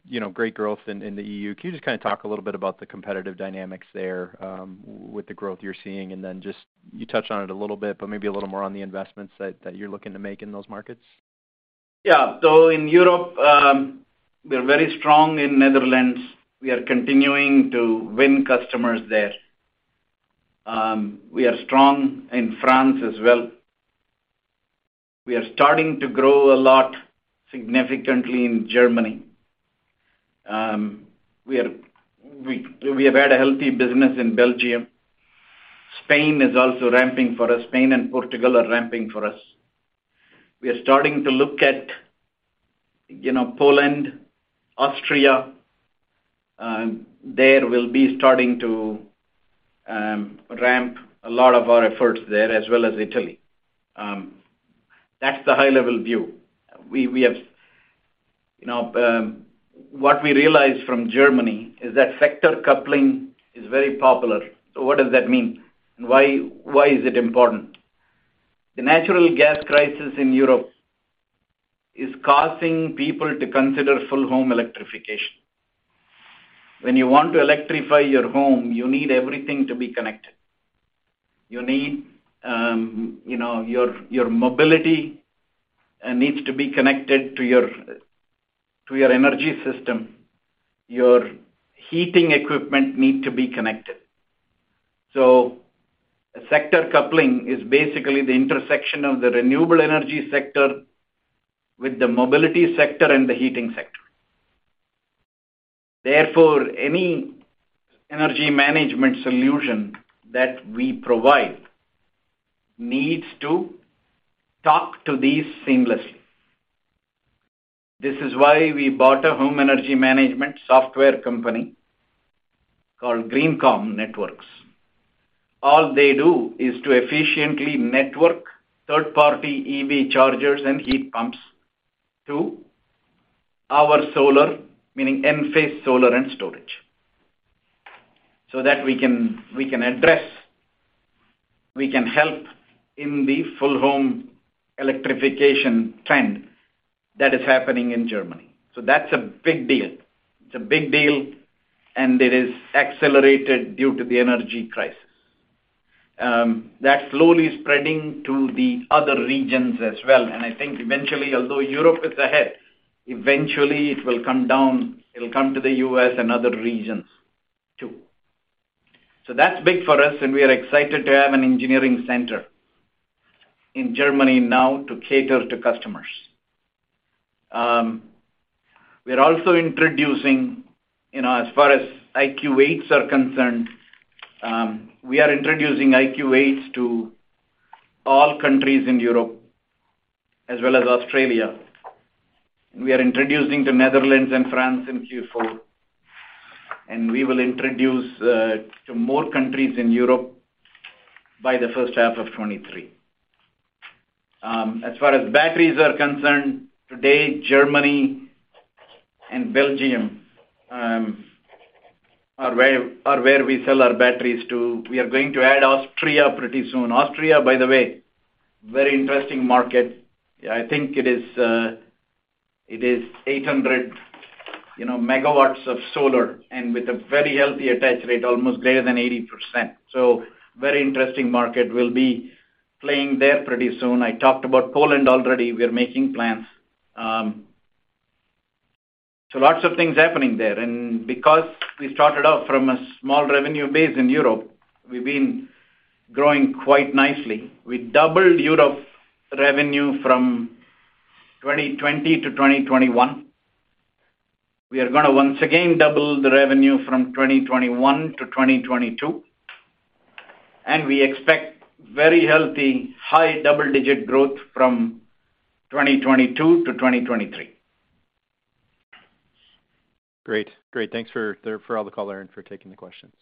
I: You know, great growth in the EU. Can you just kinda talk a little bit about the competitive dynamics there with the growth you're seeing? Then just, you touched on it a little bit, but maybe a little more on the investments that you're looking to make in those markets.
C: Yeah. In Europe, we're very strong in Netherlands. We are continuing to win customers there. We are strong in France as well. We are starting to grow a lot significantly in Germany. We have had a healthy business in Belgium. Spain is also ramping for us. Spain and Portugal are ramping for us. We are starting to look at, you know, Poland, Austria. There we'll be starting to ramp a lot of our efforts there as well as Italy. That's the high level view. We have, you know, what we realized from Germany is that sector coupling is very popular. So what does that mean? And why is it important? The natural gas crisis in Europe is causing people to consider full home electrification. When you want to electrify your home, you need everything to be connected. You need, you know, your mobility needs to be connected to your energy system. Your heating equipment need to be connected. Sector coupling is basically the intersection of the renewable energy sector with the mobility sector and the heating sector. Therefore, any energy management solution that we provide needs to talk to these seamlessly. This is why we bought a home energy management software company called GreenCom Networks. All they do is to efficiently network third-party EV chargers and heat pumps to our solar, meaning Enphase solar and storage, so that we can help in the full home electrification trend that is happening in Germany. That's a big deal. It's a big deal, and it is accelerated due to the energy crisis. That's slowly spreading to the other regions as well. I think eventually, although Europe is ahead, eventually it will come down. It'll come to the U.S. and other regions too. That's big for us, and we are excited to have an engineering center in Germany now to cater to customers. We are also introducing, you know, as far as IQ8s are concerned, we are introducing IQ8s to all countries in Europe as well as Australia. We are introducing to Netherlands and France in Q4, and we will introduce to more countries in Europe by the first half of 2023. As far as batteries are concerned, today, Germany and Belgium are where we sell our batteries to. We are going to add Austria pretty soon. Austria, by the way, very interesting market. I think it is 800 MW of solar and with a very healthy attach rate, almost greater than 80%. Very interesting market. We'll be playing there pretty soon. I talked about Poland already. We are making plans. Lots of things happening there. Because we started off from a small revenue base in Europe, we've been growing quite nicely. We doubled Europe revenue from 2020 to 2021. We are gonna once again double the revenue from 2021 to 2022, and we expect very healthy high-double-digit growth from 2022 to 2023.
I: Great. Thanks for all the color and for taking the questions.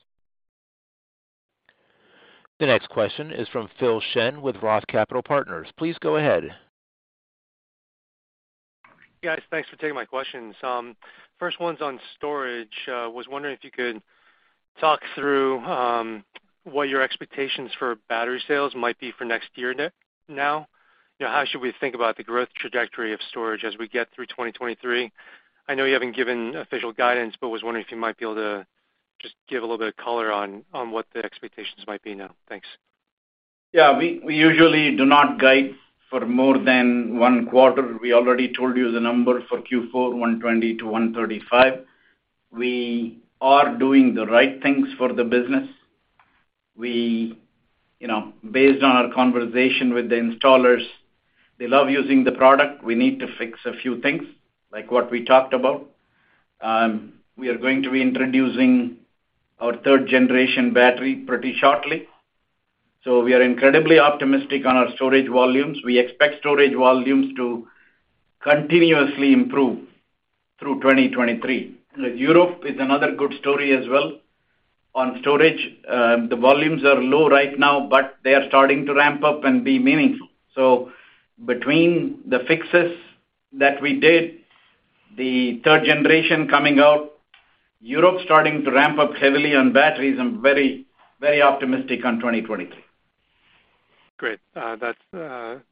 A: The next question is from Phil Shen with Roth Capital Partners. Please go ahead.
J: Yes, thanks for taking my questions. First one's on storage. Was wondering if you could talk through what your expectations for battery sales might be for next year now. You know, how should we think about the growth trajectory of storage as we get through 2023? I know you haven't given official guidance, but was wondering if you might be able to just give a little bit of color on what the expectations might be now. Thanks.
C: Yeah, we usually do not guide for more than one quarter. We already told you the number for Q4, $120 million-$135 million. We are doing the right things for the business. We, you know, based on our conversation with the installers, they love using the product. We need to fix a few things, like what we talked about. We are going to be introducing our third-generation battery pretty shortly. We are incredibly optimistic on our storage volumes. We expect storage volumes to continuously improve through 2023. Europe is another good story as well on storage. The volumes are low right now, but they are starting to ramp up and be meaningful. Between the fixes that we did, the third generation coming out, Europe starting to ramp up heavily on batteries, I'm very, very optimistic on 2023.
J: Great. That's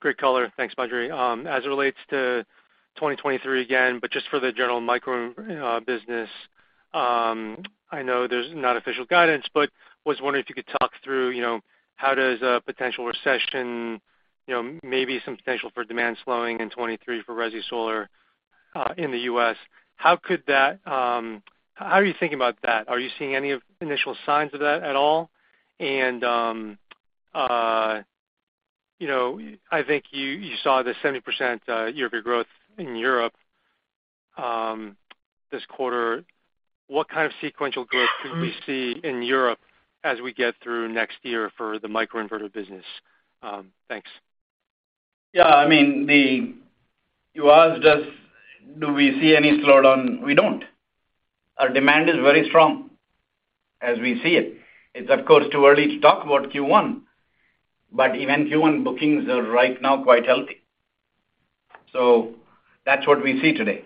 J: great color. Thanks, Badri. As it relates to 2023 again, but just for the general micro business, I know there's no official guidance, but was wondering if you could talk through, you know, how does a potential recession, you know, maybe some potential for demand slowing in 2023 for resi solar in the U.S., how could that? How are you thinking about that? Are you seeing any initial signs of that at all? You know, I think you saw the 70% year-over-year growth in Europe this quarter. What kind of sequential growth could we see in Europe as we get through next year for the microinverter business? Thanks.
C: Yeah. I mean, you asked us do we see any slowdown? We don't. Our demand is very strong as we see it. It's of course too early to talk about Q1, but even Q1 bookings are right now quite healthy. So that's what we see today.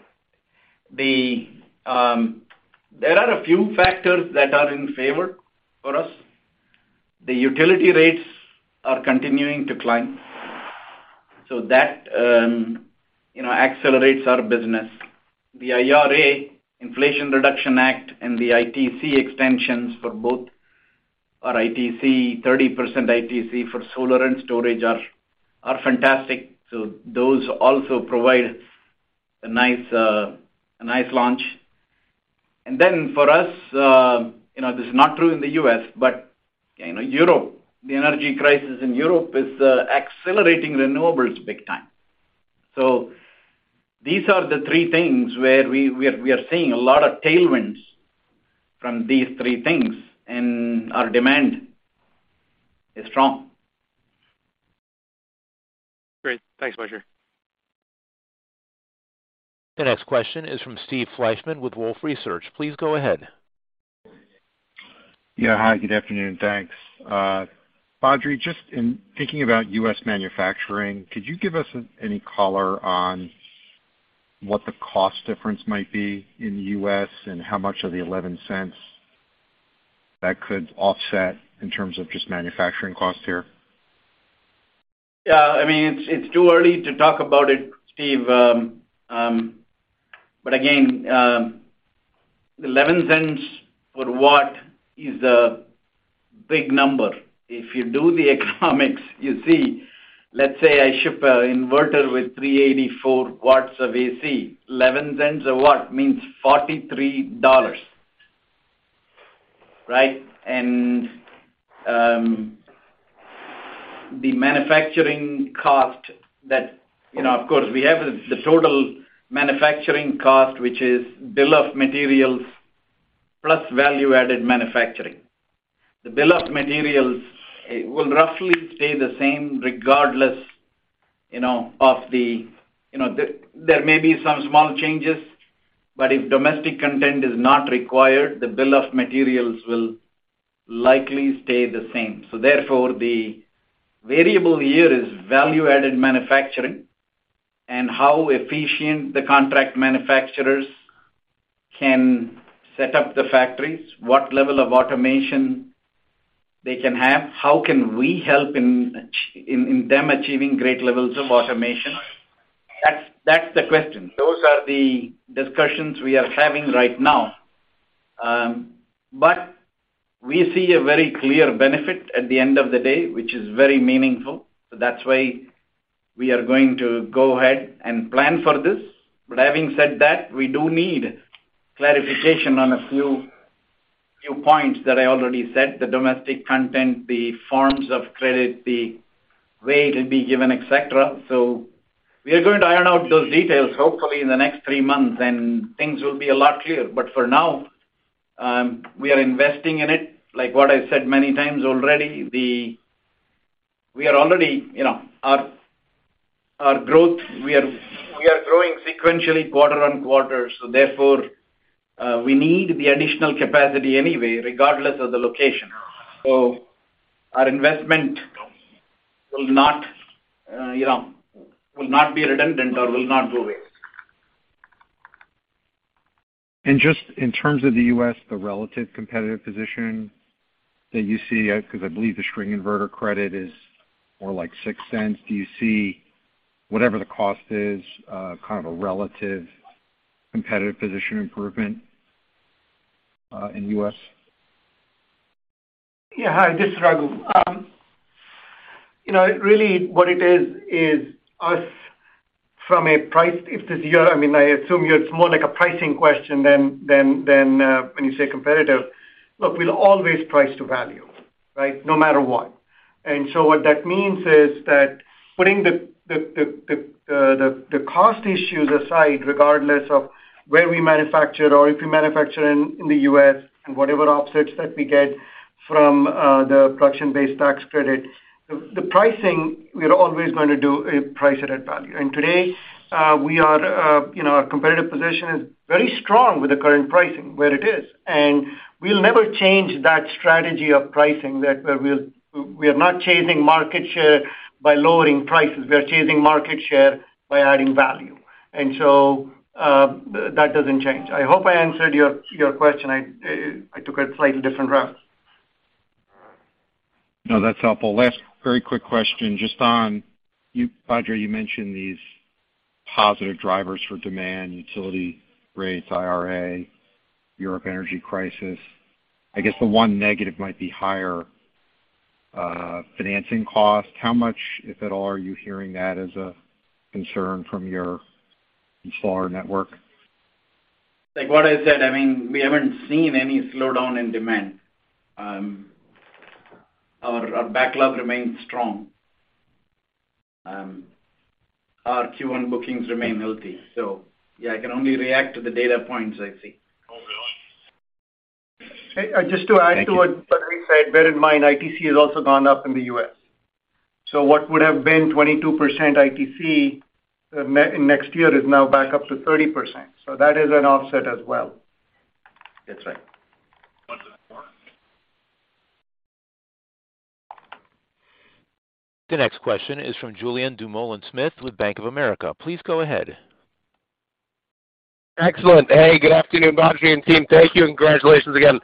C: There are a few factors that are in favor for us. The utility rates are continuing to climb, so that, you know, accelerates our business. The IRA, Inflation Reduction Act, and the ITC extensions for both our ITC, 30% ITC for solar and storage are fantastic. So those also provide a nice launch. Then for us, you know, this is not true in the U.S., but, you know, Europe, the energy crisis in Europe is accelerating renewables big time. These are the three things where we are seeing a lot of tailwinds from these three things, and our demand is strong.
J: Great. Thanks, Badri.
A: The next question is from Steve Fleishman with Wolfe Research. Please go ahead.
K: Hi, good afternoon, thanks. Badri, just in thinking about U.S. manufacturing, could you give us any color on what the cost difference might be in the U.S. and how much of the $0.11 that could offset in terms of just manufacturing cost here?
C: Yeah, I mean, it's too early to talk about it, Steve. But again, $0.11 per watt is a big number. If you do the economics, you see, let's say I ship an inverter with 384 W of AC, $0.11 a watt means $43, right? The manufacturing cost. You know, of course, we have the total manufacturing cost, which is bill of materials plus value-added manufacturing. The bill of materials will roughly stay the same regardless, you know, of the. You know, there may be some small changes, but if domestic content is not required, the bill of materials will likely stay the same. Therefore, the variable here is value-added manufacturing and how efficient the contract manufacturers can set up the factories, what level of automation they can have, how can we help in them achieving great levels of automation. That's the question. Those are the discussions we are having right now. We see a very clear benefit at the end of the day, which is very meaningful. That's why we are going to go ahead and plan for this. Having said that, we do need clarification on a few points that I already said, the domestic content, the forms of credit, the way it will be given, et cetera. We are going to iron out those details hopefully in the next three months, and things will be a lot clearer. For now, we are investing in it, like what I said many times already. We are already, you know, our growth, we are growing sequentially quarter-over-quarter, so therefore, we need the additional capacity anyway, regardless of the location. Our investment will not be redundant or will not go waste.
K: Just in terms of the U.S., the relative competitive position that you see, 'cause I believe the string inverter credit is more like $0.06. Do you see whatever the cost is, kind of a relative competitive position improvement, in U.S.?
L: Yeah, hi. This is Raghu. You know, really what it is is our pricing. If this year, I mean, I assume here it's more like a pricing question than when you say competitive. Look, we'll always price to value, right? No matter what. What that means is that putting the cost issues aside, regardless of where we manufacture or if we manufacture in the U.S. and whatever offsets that we get from the production-based tax credit, the pricing, we're always gonna price to value. Today, you know, our competitive position is very strong with the current pricing where it is. We'll never change that strategy of pricing. We are not changing market share by lowering prices. We are changing market share by adding value. That doesn't change. I hope I answered your question. I took a slightly different route.
K: No, that's helpful. Last very quick question, just on you, Badri, you mentioned these positive drivers for demand, utility rates, IRA, European energy crisis. I guess the one negative might be higher financing costs. How much, if at all, are you hearing that as a concern from your installer network?
C: Like what I said, I mean, we haven't seen any slowdown in demand. Our backlog remains strong. Our Q1 bookings remain healthy. Yeah, I can only react to the data points I see.
L: Hey, just to add to what Badri said, bear in mind, ITC has also gone up in the U.S. What would have been 22% ITC next year is now back up to 30%. That is an offset as well.
C: That's right.
A: The next question is from Julien Dumoulin-Smith with Bank of America. Please go ahead.
M: Excellent. Hey, good afternoon, Badri and team. Thank you, and congratulations again.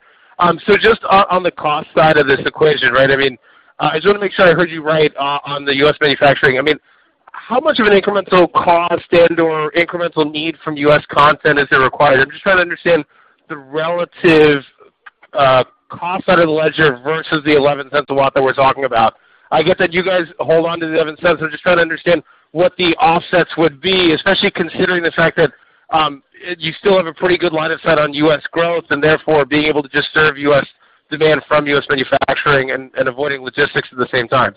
M: Just on the cost side of this equation, right? I mean, I just wanna make sure I heard you right on the U.S. manufacturing. I mean, how much of an incremental cost and/or incremental need from U.S. content is it required? I'm just trying to understand the relative cost out of the ledger versus the $0.11 a watt that we're talking about. I get that you guys hold on to the $0.07. I'm just trying to understand what the offsets would be, especially considering the fact that you still have a pretty good line of sight on U.S. growth and therefore being able to just serve U.S. demand from U.S. manufacturing and avoiding logistics at the same time.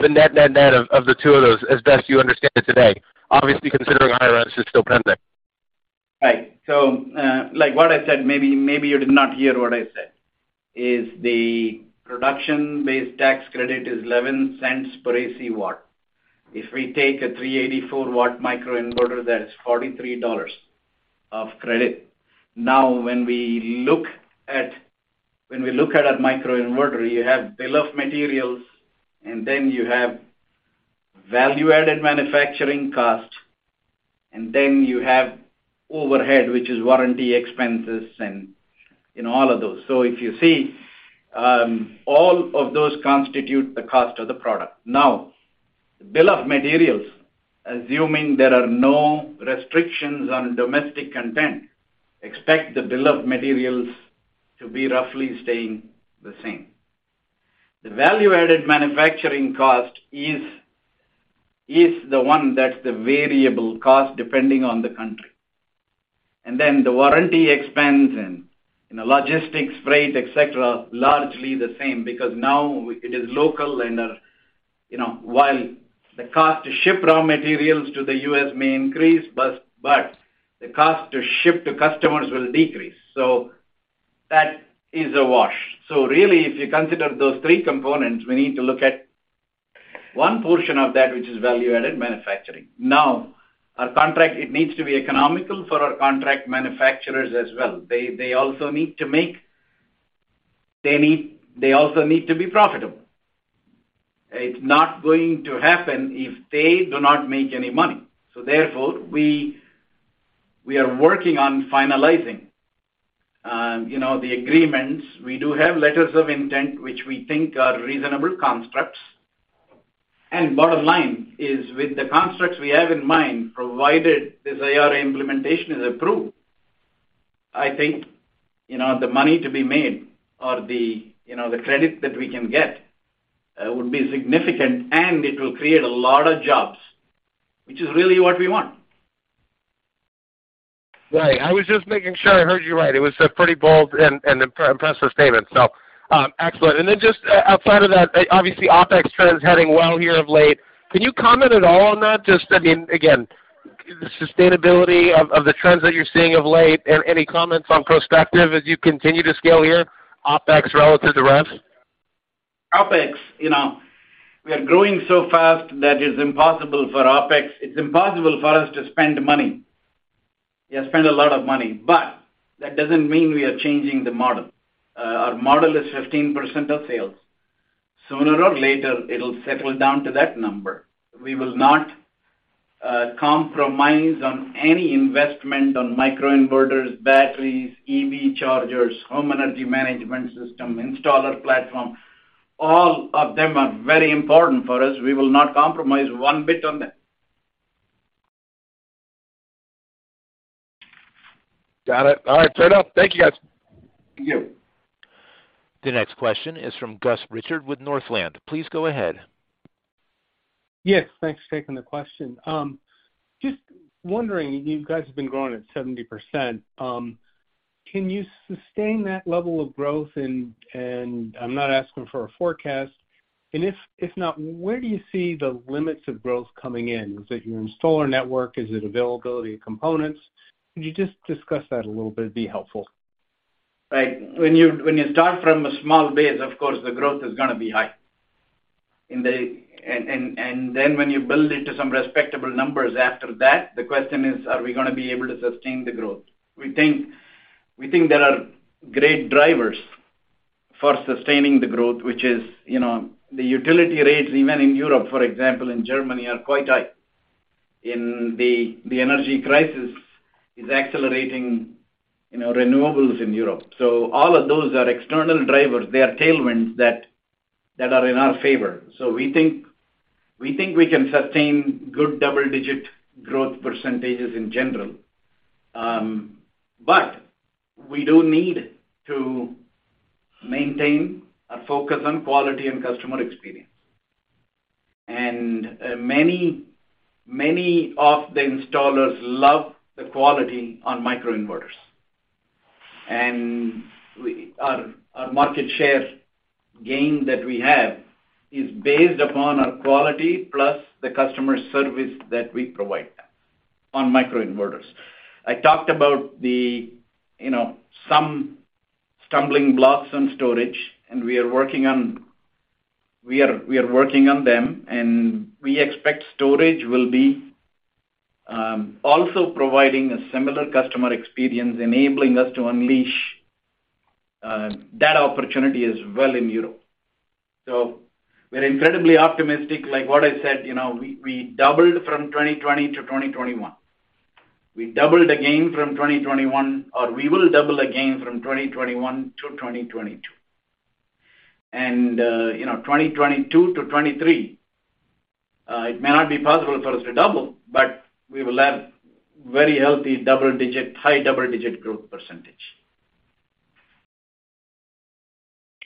M: The net of the two of those, as best you understand it today, obviously considering IRA is still pending.
C: Right. Like what I said, maybe you did not hear what I said, is the production-based tax credit is $0.11 per AC watt. If we take a 384 W microinverter, that is $43 of credit. Now, when we look at a microinverter, you have bill of materials, and then you have value-added manufacturing cost, and then you have overhead, which is warranty expenses and, you know, all of those. If you see, all of those constitute the cost of the product. Now, bill of materials, assuming there are no restrictions on domestic content, expect the bill of materials to be roughly staying the same. The value-added manufacturing cost is the one that's the variable cost depending on the country. Then the warranty expense and, you know, logistics, freight, et cetera, largely the same because now it is local and, you know, while the cost to ship raw materials to the U.S. may increase, but the cost to ship to customers will decrease. That is a wash. Really, if you consider those three components, we need to look at one portion of that, which is value-added manufacturing. Now, our contract, it needs to be economical for our contract manufacturers as well. They also need to be profitable. It's not going to happen if they do not make any money. Therefore, we are working on finalizing, you know, the agreements. We do have letters of intent, which we think are reasonable constructs. Bottom line is, with the constructs we have in mind, provided this IRA implementation is approved, I think, you know, the money to be made or the, you know, the credit that we can get would be significant, and it will create a lot of jobs, which is really what we want.
I: Right. I was just making sure I heard you right. It was a pretty bold and impressive statement, so excellent. Just outside of that, obviously, OpEx trends heading well here of late. Can you comment at all on that? Just, I mean, again, the sustainability of the trends that you're seeing of late, and any comments on prospects as you continue to scale here, OpEx relative to rev?
C: OpEx, you know, we are growing so fast that it's impossible for OpEx. It's impossible for us to spend money. Yeah, spend a lot of money. That doesn't mean we are changing the model. Our model is 15% of sales. Sooner or later, it'll settle down to that number. We will not compromise on any investment on microinverters, batteries, EV chargers, home energy management system, installer platform. All of them are very important for us. We will not compromise one bit on that.
M: Got it. All right. Fair enough. Thank you, guys.
C: Thank you.
A: The next question is from Gus Richard with Northland. Please go ahead.
N: Yes, thanks for taking the question. Just wondering, you guys have been growing at 70%. Can you sustain that level of growth? I'm not asking for a forecast. If not, where do you see the limits of growth coming in? Is it your installer network? Is it availability of components? Can you just discuss that a little bit? It'd be helpful.
C: Right. When you start from a small base, of course, the growth is gonna be high. Then when you build it to some respectable numbers after that, the question is. Are we gonna be able to sustain the growth? We think there are great drivers for sustaining the growth, which is, you know, the utility rates, even in Europe, for example, in Germany, are quite high. The energy crisis is accelerating, you know, renewables in Europe. All of those are external drivers. They are tailwinds that are in our favor. We think we can sustain good double-digit growth percentages in general. We do need to maintain a focus on quality and customer experience. Many of the installers love the quality on microinverters. Our market share gain that we have is based upon our quality plus the customer service that we provide on microinverters. I talked about the, you know, some stumbling blocks on storage, and we are working on them, and we expect storage will be also providing a similar customer experience, enabling us to unleash that opportunity as well in Europe. We're incredibly optimistic. Like I said, you know, we doubled from 2020 to 2021. We doubled again from 2021 or we will double again from 2021 to 2022. You know, 2022 to 2023, it may not be possible for us to double, but we will have very healthy double digit, high-double-digit growth percentage.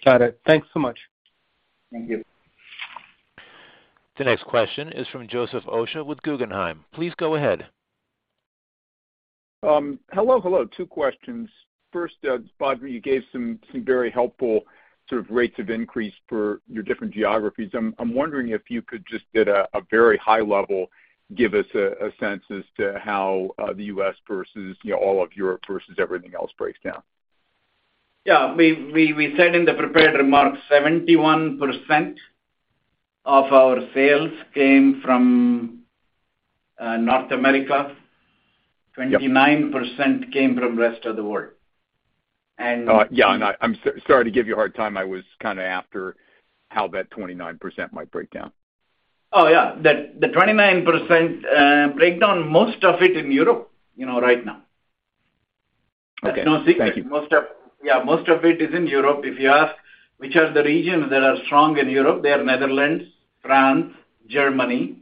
N: Got it. Thanks so much.
C: Thank you.
A: The next question is from Joseph Osha with Guggenheim. Please go ahead.
O: Hello. Two questions. First, Badri, you gave some very helpful sort of rates of increase for your different geographies. I'm wondering if you could just at a very high level give us a sense as to how the U.S. versus, you know, all of Europe versus everything else breaks down.
C: Yeah, we said in the prepared remarks, 71% of our sales came from North America, 29% came from rest of the world.
O: Yeah, I'm sorry to give you a hard time. I was kind of after how that 29% might break down.
C: Oh, yeah. The 29% breakdown most of it in Europe, you know, right now.
O: Okay. Thank you.
C: That's no secret. Yeah, most of it is in Europe. If you ask which are the regions that are strong in Europe, they are Netherlands, France, Germany,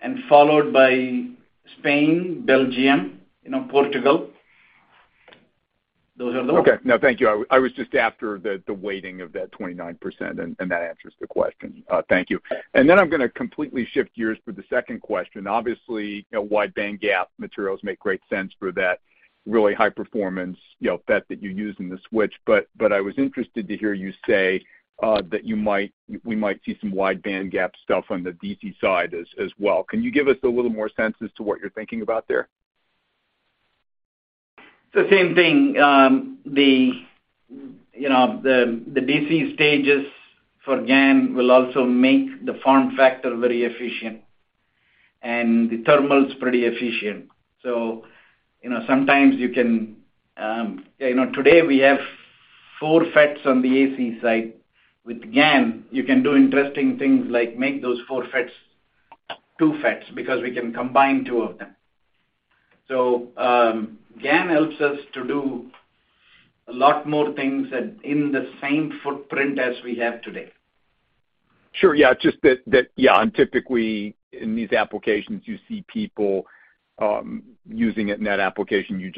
C: and followed by Spain, Belgium, you know, Portugal.
O: Okay. No, thank you. I was just after the weighting of that 29%, and that answers the question. Thank you. Then I'm gonna completely shift gears for the second question. Obviously, you know, wide band gap materials make great sense for that really high performance, you know, FET that you use in the switch. But I was interested to hear you say that we might see some wide band gap stuff on the DC side as well. Can you give us a little more sense as to what you're thinking about there?
C: The same thing, you know, the DC stages for GaN will also make the form factor very efficient and the thermals pretty efficient. You know, sometimes you can, you know, today we have four FETs on the AC side. With GaN, you can do interesting things like make those four FETs two FETs, because we can combine two of them. GaN helps us to do a lot more things in the same footprint as we have today.
O: Sure. Yeah. Just that. Yeah, and typically in these applications you see people using it in that application you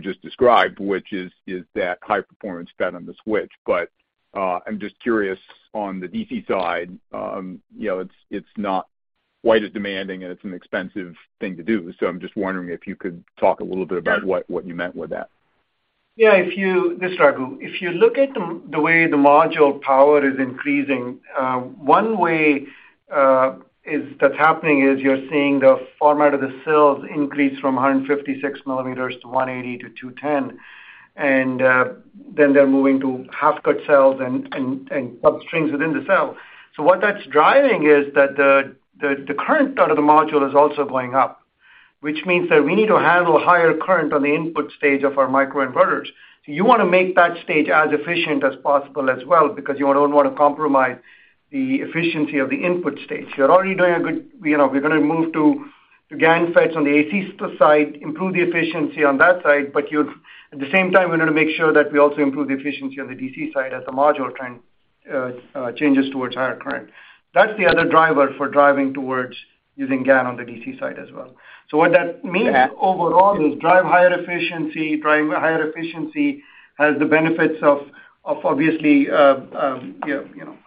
O: just described, which is that high performance FET on the switch. But I'm just curious on the DC side, you know, it's not quite as demanding, and it's an expensive thing to do. I'm just wondering if you could talk a little bit about what you meant with that.
L: This is Raghu. If you look at the way the module power is increasing, one way that's happening is you're seeing the format of the cells increase from 156 mm to 180 mm to 210 mm. Then they're moving to half cut cells and sub-strings within the cell. So what that's driving is that the current out of the module is also going up, which means that we need to handle higher current on the input stage of our microinverters. So you wanna make that stage as efficient as possible as well, because you don't wanna compromise the efficiency of the input stage. You know, we're gonna move to GaN FETs on the AC side, improve the efficiency on that side, but at the same time, we wanna make sure that we also improve the efficiency on the DC side as the module trend changes towards higher current. That's the other driver for driving towards using GaN on the DC side as well. What that means overall is drive higher efficiency, has the benefits of obviously, you know,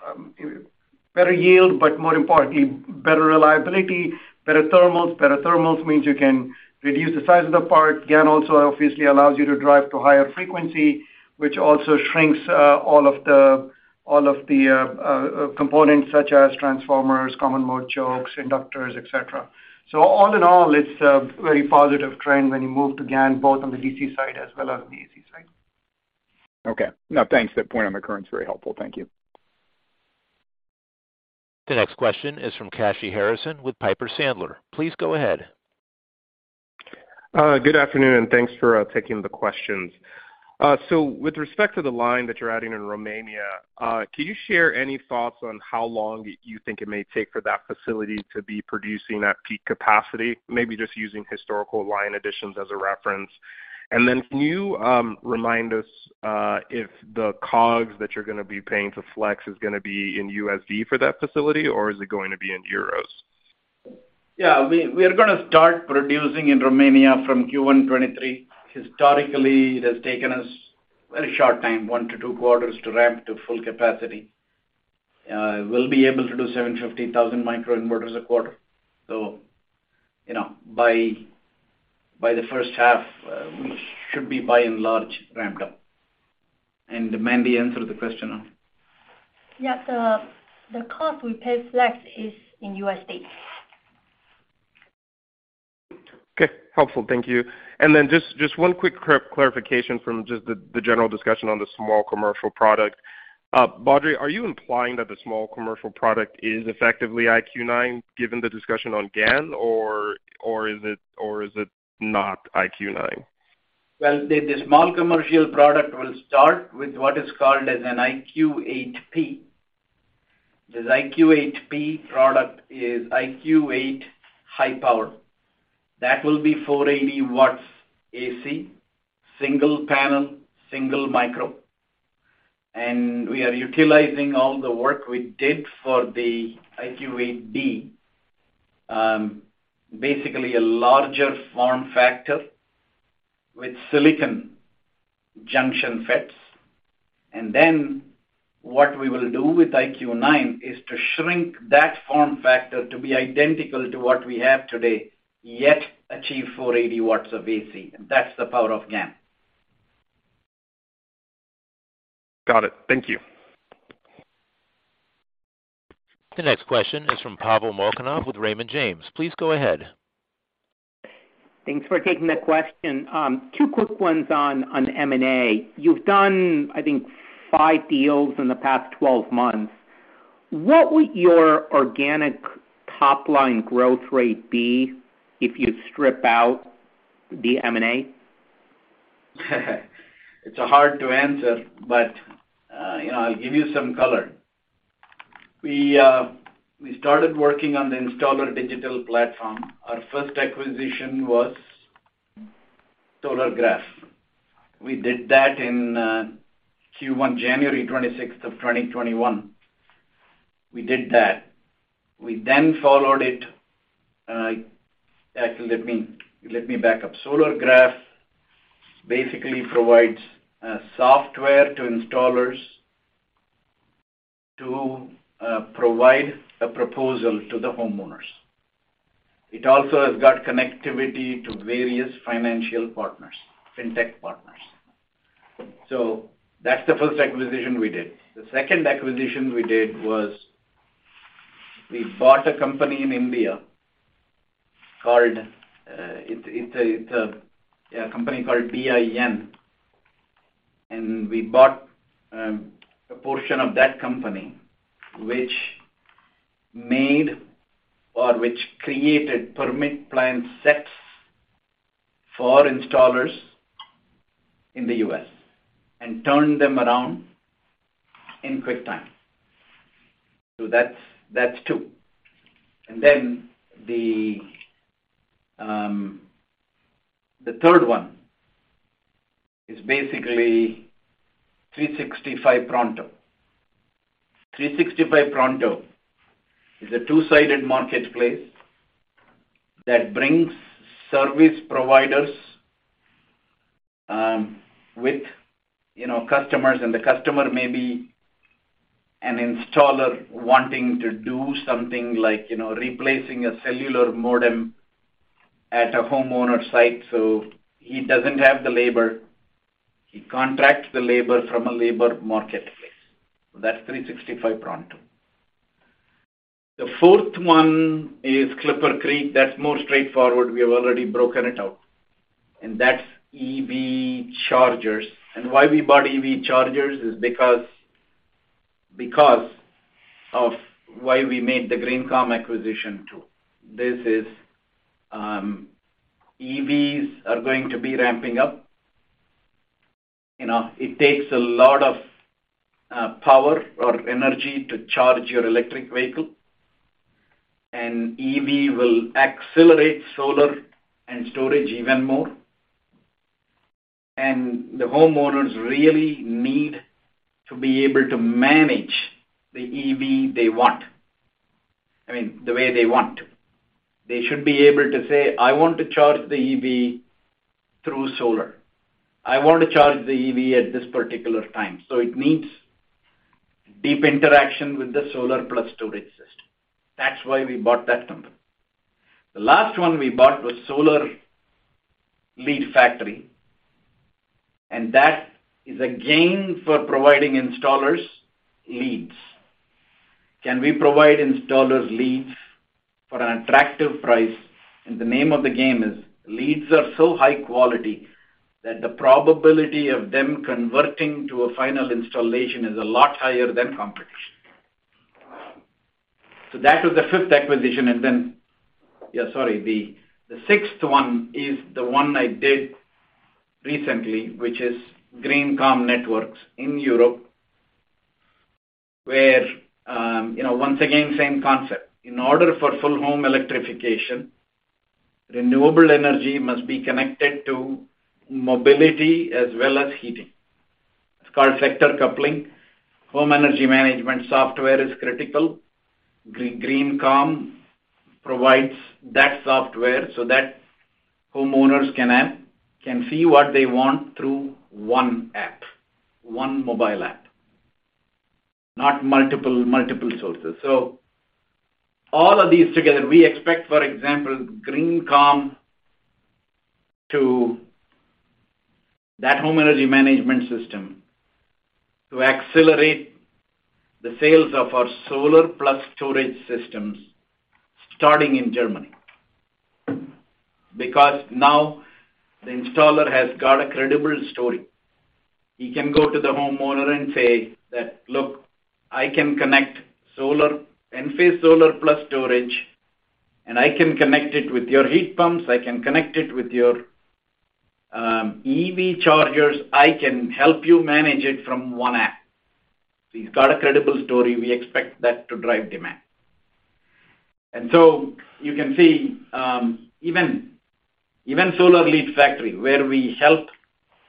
L: better yield, but more importantly, better reliability, better thermals. Better thermals means you can reduce the size of the part. GaN also obviously allows you to drive to higher frequency, which also shrinks all of the components such as transformers, common mode chokes, inductors, et cetera. All in all, it's a very positive trend when you move to GaN both on the DC side as well as on the AC side.
O: Okay. No, thanks. That point on the current is very helpful. Thank you.
A: The next question is from Kashy Harrison with Piper Sandler. Please go ahead.
P: Good afternoon, and thanks for taking the questions. With respect to the line that you're adding in Romania, can you share any thoughts on how long you think it may take for that facility to be producing at peak capacity? Maybe just using historical line additions as a reference. Can you remind us, if the COGS that you're gonna be paying to Flex is gonna be in USD for that facility, or is it going to be in euros?
C: Yeah. We're gonna start producing in Romania from Q1 2023. Historically, it has taken us very short time, one to two quarters to ramp to full capacity. We'll be able to do 750,000 microinverters a quarter. You know, by the first half, we should be by and large ramped up. Mandy, answer the question on Flex.
D: Yeah. The cost we pay Flex is in USD.
P: Okay. Helpful. Thank you. Just one quick clarification from just the general discussion on the small commercial product. Badri, are you implying that the small commercial product is effectively IQ9, given the discussion on GaN, or is it not IQ9?
C: Well, the small commercial product will start with what is called as an IQ8P. This IQ8P product is IQ8 high power. That will be 480 W AC, single panel, single micro. We are utilizing all the work we did for the IQ8B. Basically a larger form factor with silicon junction FETs. Then what we will do with IQ9 is to shrink that form factor to be identical to what we have today, yet achieve 480 W of AC. That's the power of GaN.
P: Got it. Thank you.
A: The next question is from Pavel Molchanov with Raymond James. Please go ahead.
Q: Thanks for taking the question. Two quick ones on M&A. You've done, I think, five deals in the past twelve months. What would your organic top line growth rate be if you strip out the M&A?
C: It's hard to answer, but, you know, I'll give you some color. We started working on the installer digital platform. Our first acquisition was Solargraf. We did that in Q1, January 26th, 2021. We did that. We then followed it. Actually, let me back up. Solargraf basically provides software to installers to provide a proposal to the homeowners. It also has got connectivity to various financial partners, fintech partners. That's the first acquisition we did. The second acquisition we did was we bought a company in India called a company called DIN. And we bought a portion of that company which made or which created permit plan sets for installers in the U.S. and turned them around in quick time. That's two. The third one is basically 365 Pronto. 365 Pronto is a two-sided marketplace that brings service providers with, you know, customers. The customer may be an installer wanting to do something like, you know, replacing a cellular modem at a homeowner site. He doesn't have the labor. He contracts the labor from a labor marketplace. That's 365 Pronto. The fourth one is ClipperCreek. That's more straightforward. We have already broken it out. That's EV chargers. Why we bought EV chargers is because of why we made the GreenCom acquisition too. EVs are going to be ramping up. You know, it takes a lot of power or energy to charge your electric vehicle. EV will accelerate solar and storage even more. Homeowners really need to be able to manage the EV they want. I mean, the way they want to. They should be able to say, "I want to charge the EV through solar. I want to charge the EV at this particular time." So it needs deep interaction with the solar plus storage system. That's why we bought that company. The last one we bought was SolarLeadFactory, and that is again for providing installer leads. Can we provide installer leads for an attractive price? The name of the game is leads are so high quality that the probability of them converting to a final installation is a lot higher than competition. So that was the fifth acquisition. Then. Yeah, sorry. The sixth one is the one I did recently, which is GreenCom Networks in Europe, where, you know, once again, same concept. In order for full home electrification, renewable energy must be connected to mobility as well as heating. It's called sector coupling. Home energy management software is critical. GreenCom provides that software so that homeowners can see what they want through one app, one mobile app, not multiple sources. All of these together, we expect, for example, GreenCom to that home energy management system to accelerate the sales of our solar plus storage systems starting in Germany. Because now the installer has got a credible story. He can go to the homeowner and say that, "Look, I can connect Enphase solar plus storage, and I can connect it with your heat pumps, I can connect it with your EV chargers. I can help you manage it from one app." He's got a credible story. We expect that to drive demand. You can see even SolarLeadFactory, where we help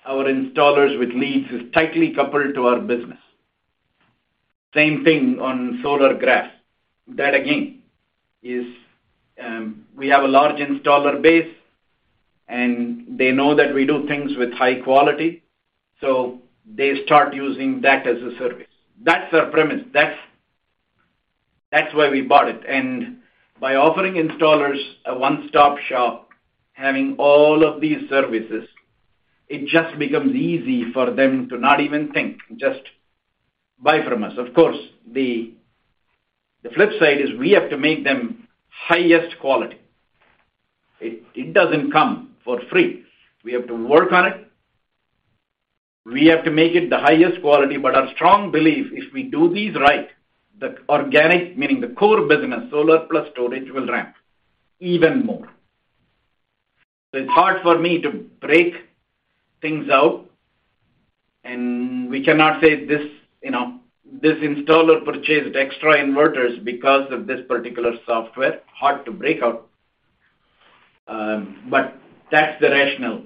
C: our installers with leads, is tightly coupled to our business. Same thing on Solargraf. That again is we have a large installer base, and they know that we do things with high quality, so they start using that as a service. That's our premise. That's why we bought it. By offering installers a one-stop shop, having all of these services, it just becomes easy for them to not even think, just buy from us. Of course, the flip side is we have to make them highest quality. It doesn't come for free. We have to work on it. We have to make it the highest quality. Our strong belief, if we do these right, the organic, meaning the core business, solar plus storage, will ramp even more. It's hard for me to break things out, and we cannot say this, you know, this installer purchased extra inverters because of this particular software. Hard to break out. But that's the rationale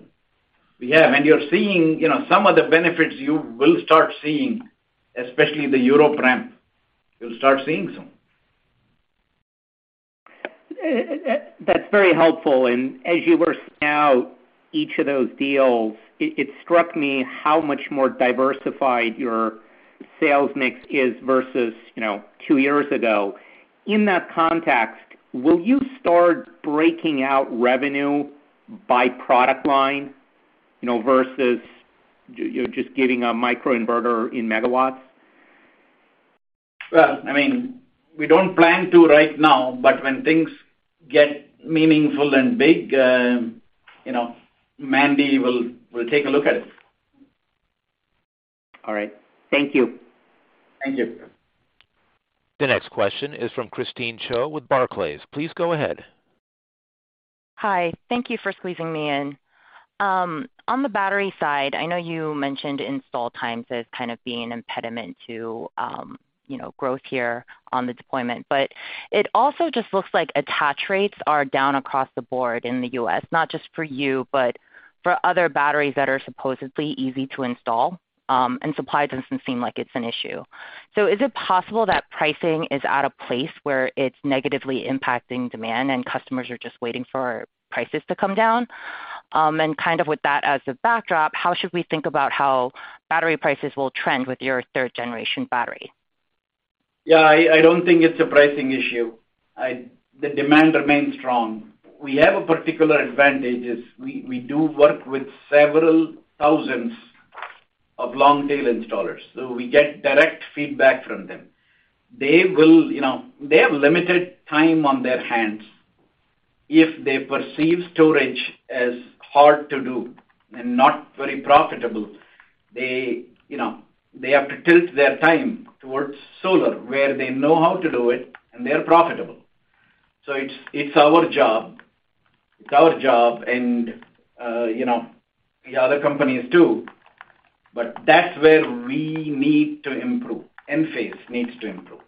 C: we have. You're seeing, you know, some of the benefits you will start seeing, especially the Europe ramp, you'll start seeing some.
Q: That's very helpful. As you were spelling out each of those deals, it struck me how much more diversified your sales mix is versus, you know, two years ago. In that context, will you start breaking out revenue by product line, you know, versus you just giving a microinverter in megawatts?
C: Well, I mean, we don't plan to right now, but when things get meaningful and big, you know, Mandy will take a look at it.
Q: All right. Thank you.
C: Thank you.
A: The next question is from Christine Cho with Barclays. Please go ahead.
R: Hi. Thank you for squeezing me in. On the battery side, I know you mentioned install times as kind of being an impediment to, you know, growth here on the deployment, but it also just looks like attach rates are down across the board in the U.S., not just for you, but for other batteries that are supposedly easy to install, and supply doesn't seem like it's an issue. Is it possible that pricing is at a place where it's negatively impacting demand and customers are just waiting for prices to come down? Kind of with that as a backdrop, how should we think about how battery prices will trend with your third generation battery?
C: Yeah, I don't think it's a pricing issue. The demand remains strong. We have a particular advantage is we do work with several thousands of long-tail installers, so we get direct feedback from them. They will, you know, they have limited time on their hands. If they perceive storage as hard to do and not very profitable, they, you know, they have to tilt their time towards solar, where they know how to do it and they are profitable. It's our job. It's our job and, you know, the other companies too, but that's where we need to improve. Enphase needs to improve.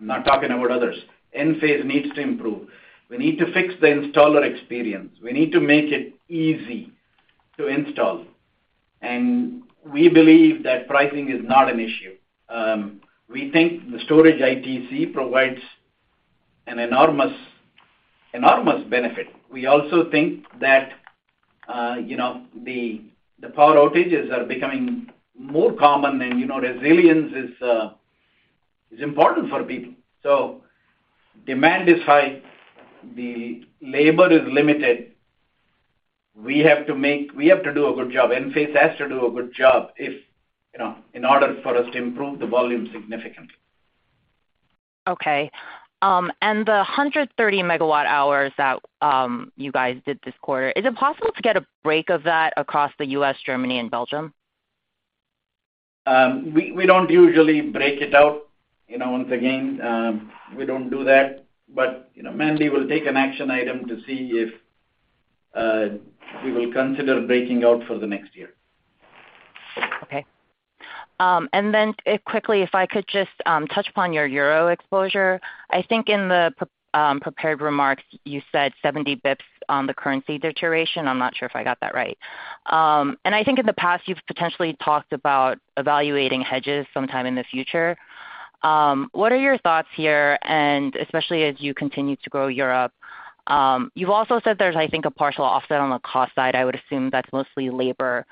C: I'm not talking about others. Enphase needs to improve. We need to fix the installer experience. We need to make it easy to install. We believe that pricing is not an issue. We think the storage ITC provides an enormous benefit. We also think that, you know, the power outages are becoming more common and, you know, resilience is important for people. Demand is high, the labor is limited. We have to do a good job, Enphase has to do a good job if, you know, in order for us to improve the volume significantly.
R: Okay. The 130 MWh that you guys did this quarter, is it possible to get a breakdown of that across the U.S., Germany, and Belgium?
C: We don't usually break it out. You know, once again, we don't do that. You know, Mandy will take an action item to see if we will consider breaking out for the next year.
R: Okay. Quickly, if I could just touch upon your euro exposure. I think in the prepared remarks, you said 70 basis points on the currency deterioration. I'm not sure if I got that right. I think in the past you've potentially talked about evaluating hedges sometime in the future. What are your thoughts here and especially as you continue to grow Europe? You've also said there's, I think, a partial offset on the cost side. I would assume that's mostly labor.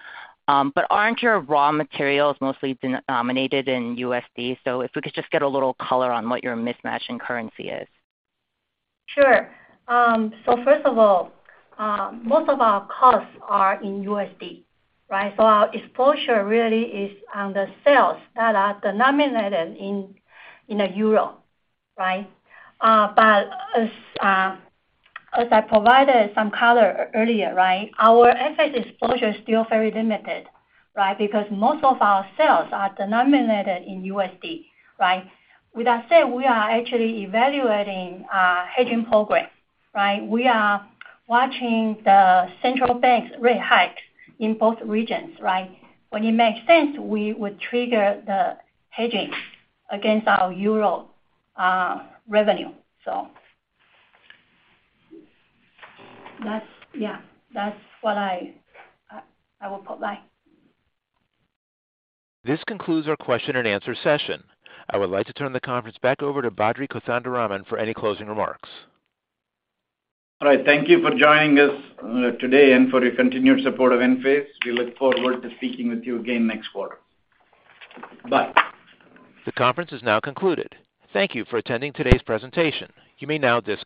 R: Aren't your raw materials mostly denominated in USD? If we could just get a little color on what your mismatch in currency is.
D: Sure. First of all, most of our costs are in USD, right? Our exposure really is on the sales that are denominated in the euro, right? As I provided some color earlier, right, our asset exposure is still very limited, right? Because most of our sales are denominated in USD, right? With that said, we are actually evaluating a hedging program, right? We are watching the central banks rate hike in both regions, right? When it makes sense, we would trigger the hedging against our euro revenue. That's what I would provide.
A: This concludes our question and answer session. I would like to turn the conference back over to Badri Kothandaraman for any closing remarks.
C: All right. Thank you for joining us today and for your continued support of Enphase. We look forward to speaking with you again next quarter. Bye.
A: The conference is now concluded. Thank you for attending today's presentation. You may now disconnect.